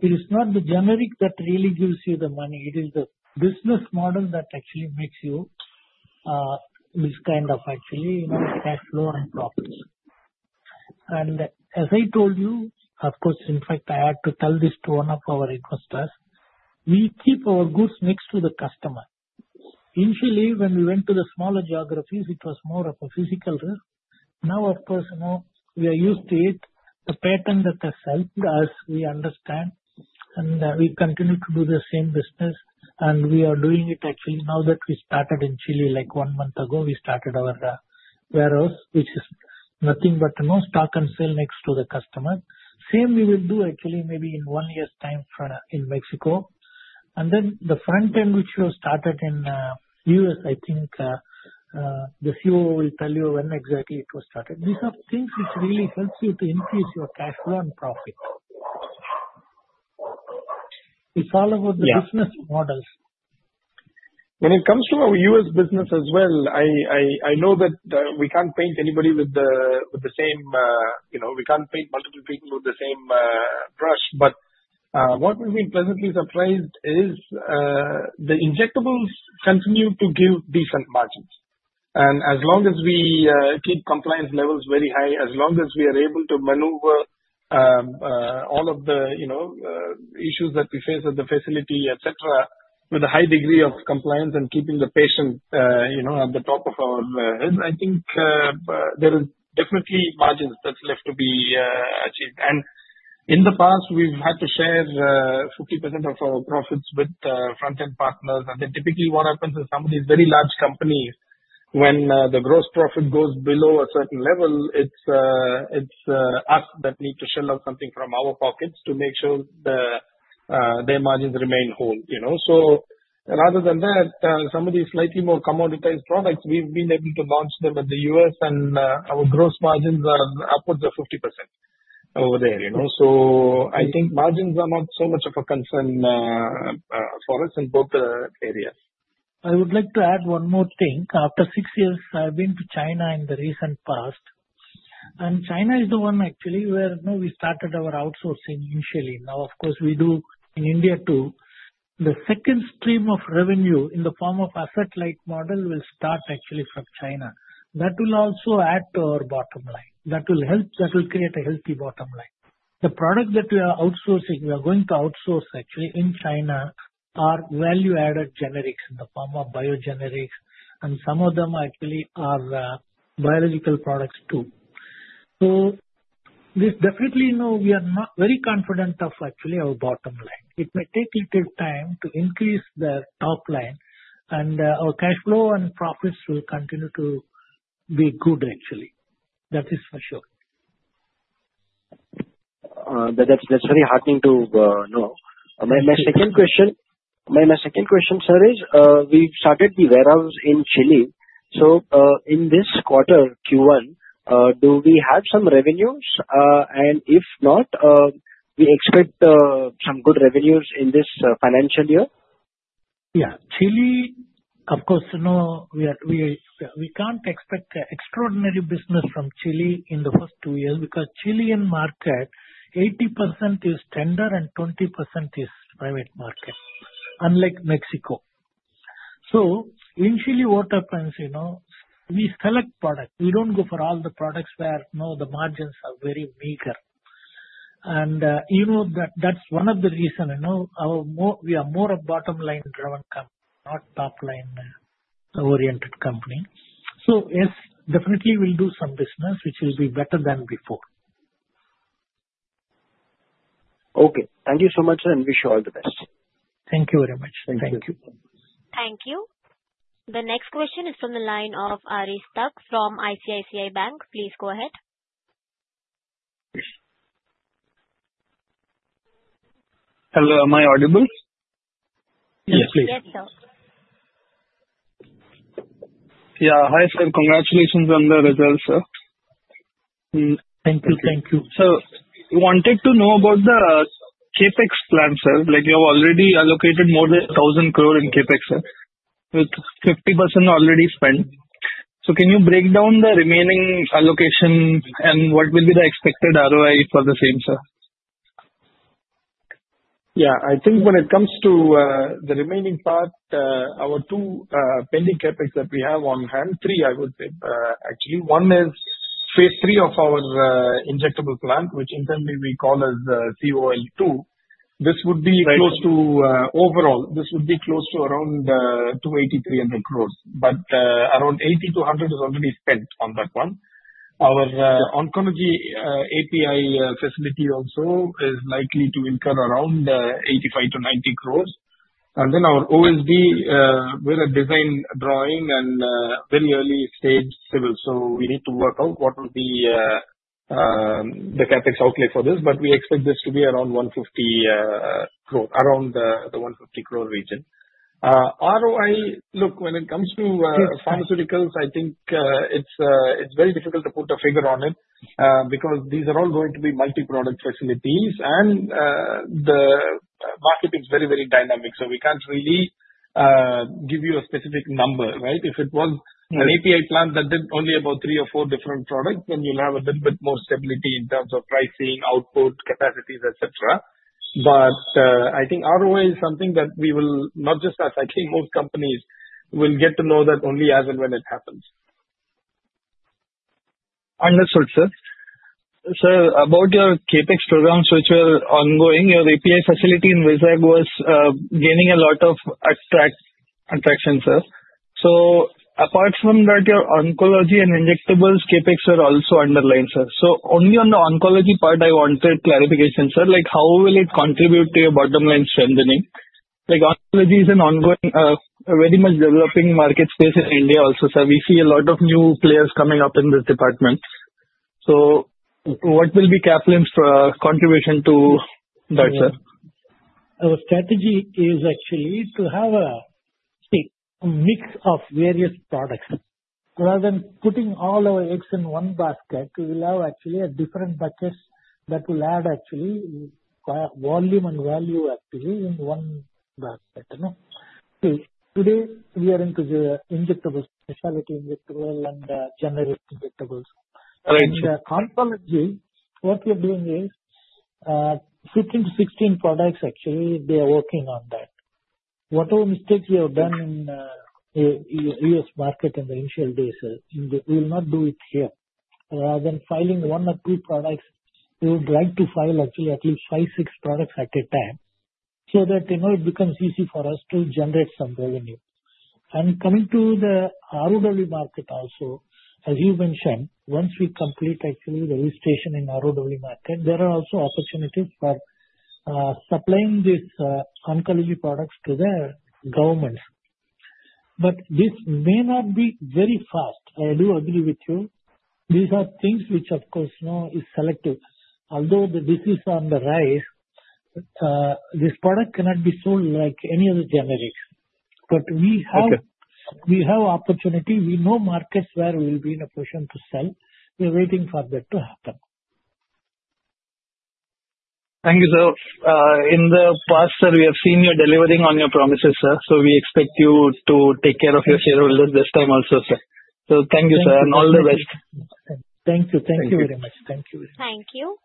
[SPEAKER 4] it is not the generic that really gives you the money. It is the business model that actually makes you this kind of use cash flow and proper. As I told you, in fact I had to tell this to one of our investors. We keep our goods next to the customer. Initially, when we went to the smaller geographies it was more of a physical. Now, of course, we are used to the pattern that the site as we understand and we continue to do the same business. We are doing it now that we started in Chile, like one month ago we started our warehouse, which is nothing but no stock and sale next to the customer. Same we will do maybe in one year's time in Mexico, and then the front end which was started in the U.S. I think the few will tell you when exactly it was started. Business change is really sensitive to increase your cash GR profits. It's all about the business models.
[SPEAKER 3] When it comes to our U.S. business as well, I know that we can't paint anybody with the, with the same, you know, we can't paint multiple people with the same trust. What we've been pleasantly surprised is. The injectables continue to give decent margins. As long as we keep compliance levels very high, as long as we are able to maneuver all of the issues that we face at the facility, etc., with a high degree of compliance and keeping the patient at the top of our heads, I think there is definitely margins that's left to be achieved. In the past we've had to share 50% of our profits with front end partners, and then typically what happens is some of these very large companies, when the gross profit goes below a certain level, it's us that need to shell out something from our pockets to make sure their margins remain whole. Rather than that, some of these slightly more commoditized products, we've been able to launch them in the U.S., and our gross margins are upwards of 50% over there.
[SPEAKER 4] I think margins are not so much of a concern for us in both.
[SPEAKER 3] I would like to add one more thing. After six years, I've been to China in the recent past and China is the one actually where we started our outsourcing initially. Now of course we do in India too. The second stream of revenue in the form of asset-light model will start actually from China. That will also add to our bottom line. That will help, that will create a healthy bottom line. The product that we are outsourcing, we are going to outsource actually in China are value-added generics in the form of Biosimilars and some of them actually are biological products too. This definitely, no, we are not very confident of actually our bottom. It may take a little time to increase the top line and our cash flow and profits will continue to be good actually, that is for sure.
[SPEAKER 11] That's very hard thing to know. My second question, sir. We've started the warehouse in Chile. In this quarter Q1 do we have some revenues and if not we expect some good revenues in this financial year.
[SPEAKER 4] Yeah, Chile of course. We can't expect extraordinary business from Chile in the first two years because the Chilean market is 80% tender and 20% private market unlike Mexico. Initially, we select products, we don't go for all the products where the margins are very meager and you know that's one of the reasons we are more of a bottom line driven company, not a top line oriented company. Yes, definitely we'll do some business which will be better than before.
[SPEAKER 11] Okay, thank you so much, and wish you all the best.
[SPEAKER 4] Thank you very much.
[SPEAKER 3] Thank you.
[SPEAKER 1] Thank you. The next question is from the line of Arjun Tuck from ICICI Bank. Please go ahead.
[SPEAKER 12] Hello, am I audible?
[SPEAKER 4] Yes please.
[SPEAKER 1] Yes sir.
[SPEAKER 12] Yeah. Hi, sir. Congratulations on the result, sir.
[SPEAKER 4] Thank you. Thank you.
[SPEAKER 12] I wanted to know about the CapEx plan, sir. You have already allocated more than 1,000 crore in CapEx with 50% already spent. Can you break down the remaining? Allocation and what will be the expected ROI for the same? Sir?
[SPEAKER 3] Yeah, I think when it comes to the remaining part, our two pending CapEx that we have on hand, three I would actually. One is phase III of our injectable plant, which internally we call as COL. This would be close to, overall this would be close to around 280-300 crore, but around 80-100 crore is already spent on that one. Our Oncology API facility also is likely to incur around 85-90 crore, and then our OSD with a design drawing and very early stage. We need to work out what will be the CapEx outlay for this. We expect this to be around 150 crore, around the 150 crore region. ROI, look, when it comes to pharmaceuticals, I think it's very difficult to put a figure on it because these are all going to be multi-product facilities and the marketing is very, very dynamic. We can't really give you a specific number. If it was an API plant that did only about three or four different products, then you'll have a bit more stability in terms of pricing, output capacities, etc. I think ROI is something that we will, not just that, I think most companies will get to know that only as and when it happens.
[SPEAKER 12] Understood, sir. About your CapEx programs which were ongoing, your API facility in Vizag was gaining. A lot of attraction, sir. Apart from that, your oncology and. Injectables CapEx are also underlined, sir. Only on the oncology part, I wanted clarification, sir. How will it contribute to your bottom line? Strengthening like oncology is an ongoing, very. much developing market space in India also. We see a lot of new players coming up in this department. What will be Caplin's contribution to
[SPEAKER 4] our strategy is actually to have a mix of various products. Rather than putting all our eggs in one basket, we will have actually different batches that will add volume and value of using one basket. Today we are into the injectable specialty, injectable and generic injectables. Right? Confirmation what we are doing is 15 to 16 products. Actually they are working on whatever mistakes you have done in U.S. market in the initial days. We will not do it here. Rather than filing one or three products, you would like to file at least five, six products at a time. That way it becomes easy for us to generate some revenue and coming to the market also as you mentioned, once we complete the registration in ROW market, there are also opportunities for supplying these oncology products to the government. This may not be very fast. I do agree with you. These are things which of course now is selective. Although the disease is on the rise, this product cannot be sold like any other generics. We have opportunity. We know markets where we will be in a position to sell. We're waiting for that to happen.
[SPEAKER 12] Thank you, sir. In the past, sir, we have seen you delivering on your promises, sir. We expect you to take care. Of your shareholders this time also, sir.
[SPEAKER 4] Thank you, sir, and all the best. Thank you. Thank you very much. Thank you.
[SPEAKER 1] Thank you.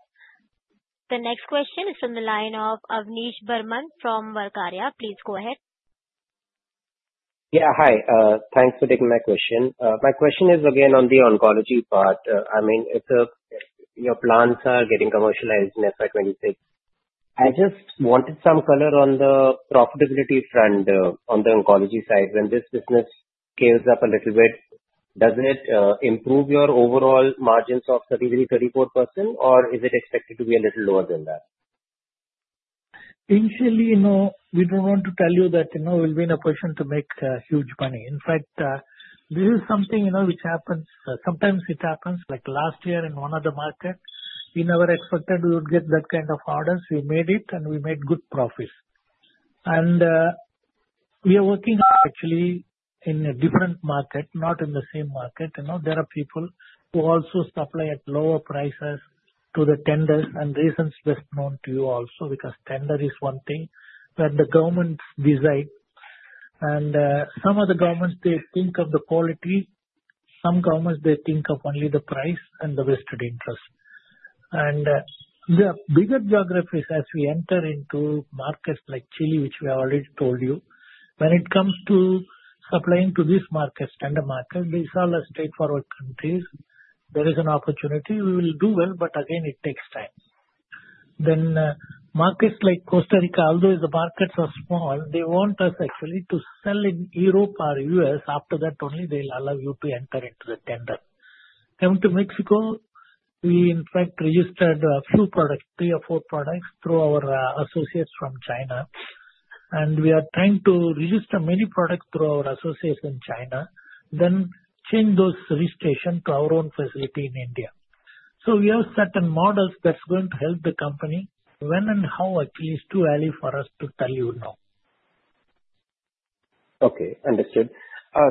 [SPEAKER 1] The next question is on the line of Avnish Barman from Varkaria. Please go ahead.
[SPEAKER 13] Yeah, hi. Thanks for taking my question. My question is again, on the oncology part, I mean it's a. Your plants are getting commercialized in FY 2026. I just wanted some color on the profitability front. On the oncology side, when this business scales up a little bit, does it improve your overall margins of 33-34% or is it expected to be a. Little lower than that.
[SPEAKER 4] Initially. You know, we don't want to tell you that, you know, we'll be in a position to make huge money. In fact, this is something, you know, which happened sometimes it happens like last year in one of the markets we never expected we would get that kind of orders. We made it and we made good profits. We are working actually in a different market, not in the same market. Now there are people who also stop playing at lower prices to the tenders and reasons best known to you. Also because tender is one thing, when the government decides and some of the governments, they think of the quality. Some governments, they think of only the price and the vested interest and the bigger geographies. As we enter into markets like Chile, which we already told you, when it comes to applying to this market, standard market, these are straightforward. There is an opportunity, we will do well. Again, it takes time. Markets like Costa Rica, although the markets are small, they want us actually to sell in Europe or U.S. after that only they'll allow you to enter into the tender. Coming to Mexico, we in fact registered a few products, three or four products through our associates from China. We are trying to register many products through our associates in China, then change those service station to our own facility in India. We have certain models that's going to help the company. When and how easy? It's too early for us to tell you now.
[SPEAKER 13] Okay, understood,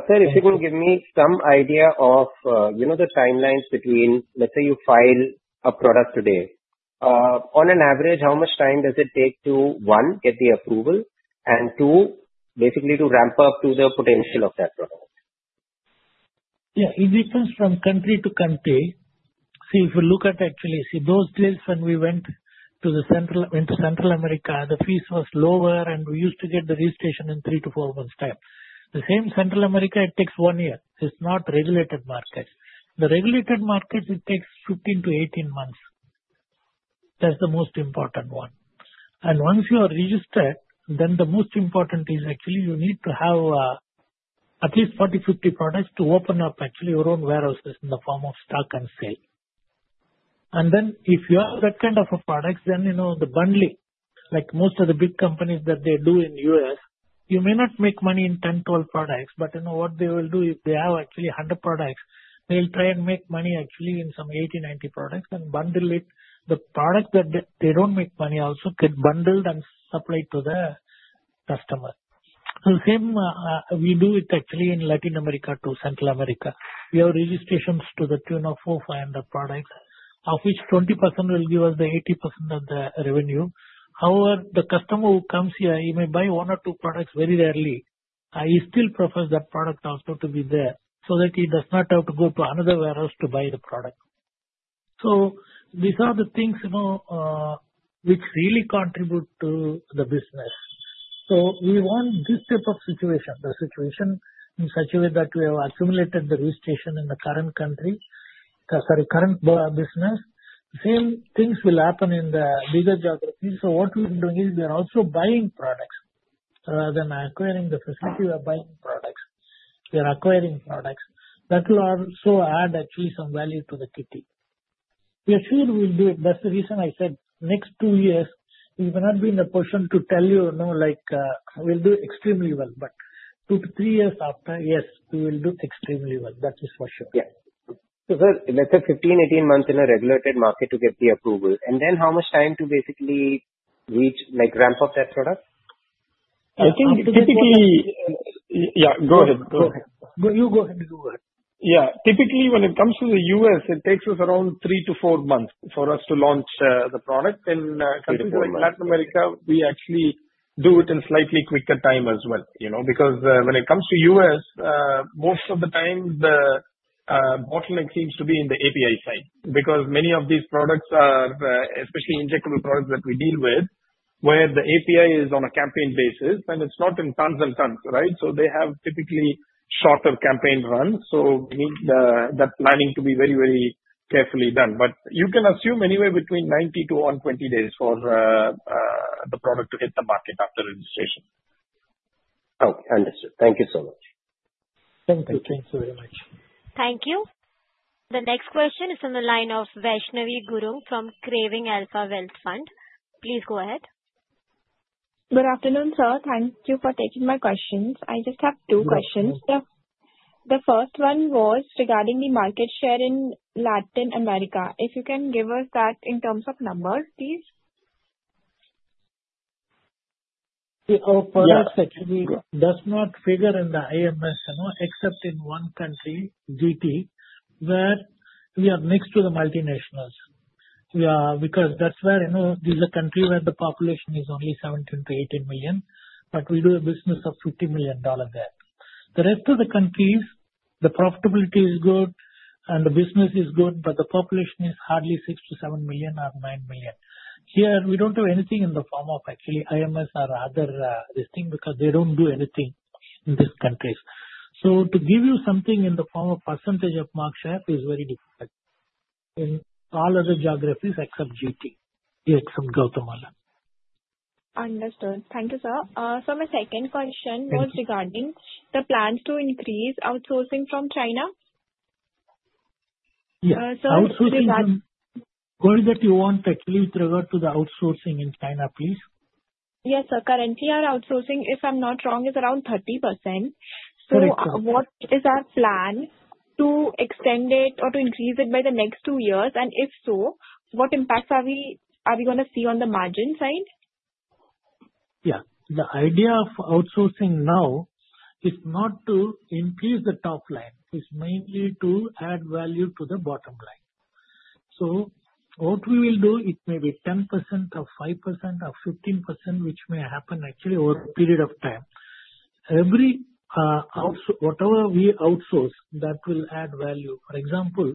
[SPEAKER 13] sir. If you can give me some idea of the timelines between, let's say you file a product today. On an average, how much time does it take. It takes to, one, get the approval, and two, basically to ramp up to the potential of that product.
[SPEAKER 4] Yeah, it differs from country to country. See, if you look at actually those deals, when we went to Central America, the fees was lower and we used to get the registration in three to four months' time. The same Central America, it takes one year. It's not regulated markets. The regulated markets, it takes 15-18 months. That's the most important one. Once you are registered, then the most important is actually you need to have at least 40, 50 products to open up actually your own warehouses in the form of stock and sale. If you have that kind of a product, then you know the bundle. Like most of the big companies that they do in the U.S., you may not make money in 10, 12 products, but you know what they will do if they have actually 100 products, they'll try and make money actually in some 80, 90 products and bundle it. The product that they don't make money also gets bundled and supplied to the customer. We do it actually in Latin America, to Central America. Your registrations to the tune of 400, 500 products, of which 20% will give us the 80% of the revenue. However, the customer who comes here, he may buy one or two products. Very rarely, I still prefer that product also to be there so that he does not have to go to another warehouse to buy the product. These are the things which really contribute to the business. We want this type of situation, the situation in such a way that we have assumed the registration in the current country, sorry, current business. Same things will happen in the Vidaja. What is doing is they're also buying products rather than acquiring the facility whereby we are acquiring product. That will also add a tree, some value to the kitty. We are sure we'll do it. That's the reason I said next two years we will not be in a position to tell you, no, like we'll do extremely well. Two to three years after, yes, we will do extremely well. That is for sure.
[SPEAKER 13] Let's say 15, 18 months in a regulated market to get the approval. How much time to basically reach. Like ramp up that product?
[SPEAKER 3] I think typically.
[SPEAKER 4] Yeah, go ahead. You go ahead.
[SPEAKER 3] Yeah, typically when it comes to the U.S., it takes us around three to four months for us to launch the product. In Latin America, we actually do it in slightly quicker time as well, you know, because when it comes to us, most of the time the bottleneck seems to be in the API side because many of these products are especially integral products that we deal with where the API is on a campaign basis. It's not in tons and tons, right. They have typically shorter campaign run, so that planning has to be very, very carefully done. You can assume anywhere between 90-120 days for the product to hit the market after registration.
[SPEAKER 13] Okay, understood. Thank you so much.
[SPEAKER 4] Thank you. Thanks very much.
[SPEAKER 1] Thank you. The next question is in the line of Vaishnavi Gurung from Craving Alpha Wealth Fund. Please go ahead.
[SPEAKER 14] Good afternoon, sir. Thank you for taking my questions. I just have two questions. The first one was regarding the market share in Latin America. If you can give us that in terms of numbers, please.
[SPEAKER 4] Actually does not figure in the IMS except in one country, GT, where we are next to the multinationals. Yeah, because that's where, you know, this is a country where the population is only 17-18 million, but we do a business of $50 million there. The rest of the countries, the profitability is good and the business is good, but the population is hardly 6-7 million or 9 million. Here we don't do anything in the form of actually IMS or other this thing because they don't do anything in these countries. To give you something in the form of percentage of market share is very difficult in all other geographies except GTXM growth or mala.
[SPEAKER 14] Understood. Thank you, sir. My second question was regarding the plans to increase outsourcing from China.
[SPEAKER 4] Yeah, that you want at least revert to the outsourcing in China, please.
[SPEAKER 14] Yes sir. Currently our outsourcing, if I'm not wrong, is around 30%. What is our plan to extend it or to increase it by the next two years, and if so, what impacts are we going to see on the margin side?
[SPEAKER 4] Yeah, the idea of outsourcing now, if not to increase the top line, is mainly to add value to the bottom line. What we will do, it may be 10% or 5% or 15%, which may happen actually over a period of time. Whatever we outsource, that will add value. For example,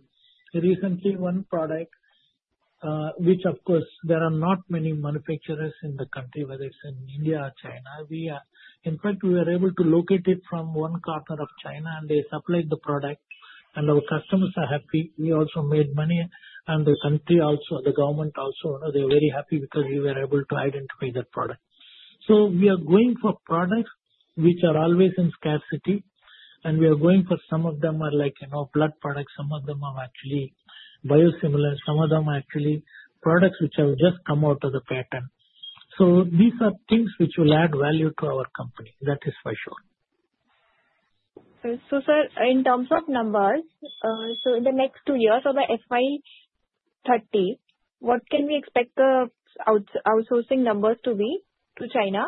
[SPEAKER 4] recently one product, which of course there are not many manufacturers in the country, whereas in India, China, in fact, we were able to locate it from one quarter of China and they supplied the product and our customers are happy. We also made money and the country, also the government, they're very happy because we were able to identify the product. We are going for products which are always in scarcity and we are going for some of them, like, you know, blood products. Some of them are actually Biosimilars, some of them actually products which have just come out of the patent. These are things which will add value to our company, that is for sure.
[SPEAKER 14] In terms of numbers, in the next two years or the FY 2030, what can we expect the outsourcing numbers to be to China?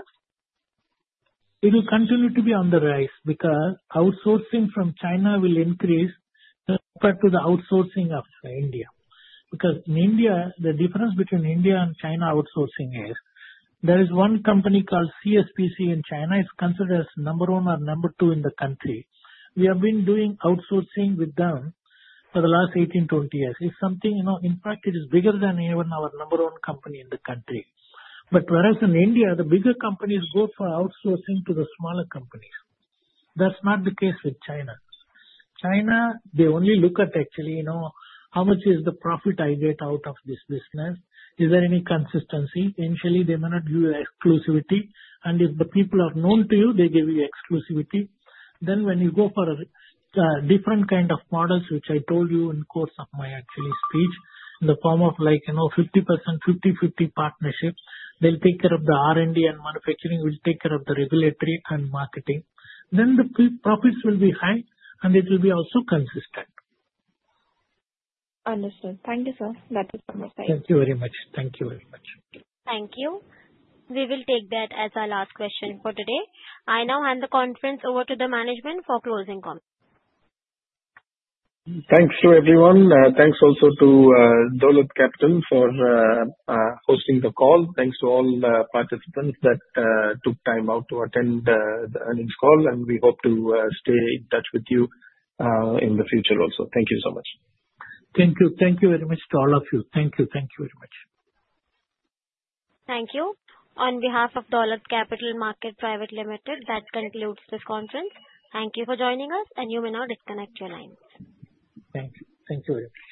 [SPEAKER 4] It will continue to be on the rise because outsourcing from China will increase to the outsourcing of India. In India, the difference between India and China outsourcing is there is one company called CSPC in China that is considered as number one or number two in the country. We have been doing outsourcing with them for the last 18, 20 years. It's something, you know, in fact it is bigger than even our number one company in the country. Whereas in India, the bigger companies go for outsourcing to the smaller companies, that's not the case with China. In China, they only look at actually, you know, how much is the profit I get out of this business. Is there any consistency? Initially, they may not give you exclusivity, and if the people are known to you, they give you exclusivity. When you go for different kind of models, which I told you in course of my actually speech, in the form of like, you know, 50%, 50, 50 partnership, they'll take care of the R&D and manufacturing, we'll take care of the regulatory and marketing. The profits will be high and it will be also consistent.
[SPEAKER 14] Understood. Thank you, sir.
[SPEAKER 4] Thank you very much. Thank you.
[SPEAKER 1] Thank you. We will take that as our last question for today. I now hand the conference over to the management for closing comments.
[SPEAKER 4] Thank you, everyone. Thanks also to Dolat Capital Market Private Limited for hosting the call. Thanks to all participants that took time out to attend the earnings call and we hope to stay in touch with you in the future. Thank you so much.
[SPEAKER 3] Thank you. Thank you very much to all of you. Thank you. Thank you very much.
[SPEAKER 1] Thank you. On behalf of Dolat Capital Market Private Limited, that concludes this conference. Thank you for joining us. You may now disconnect your lines.
[SPEAKER 4] Thanks. Thank you.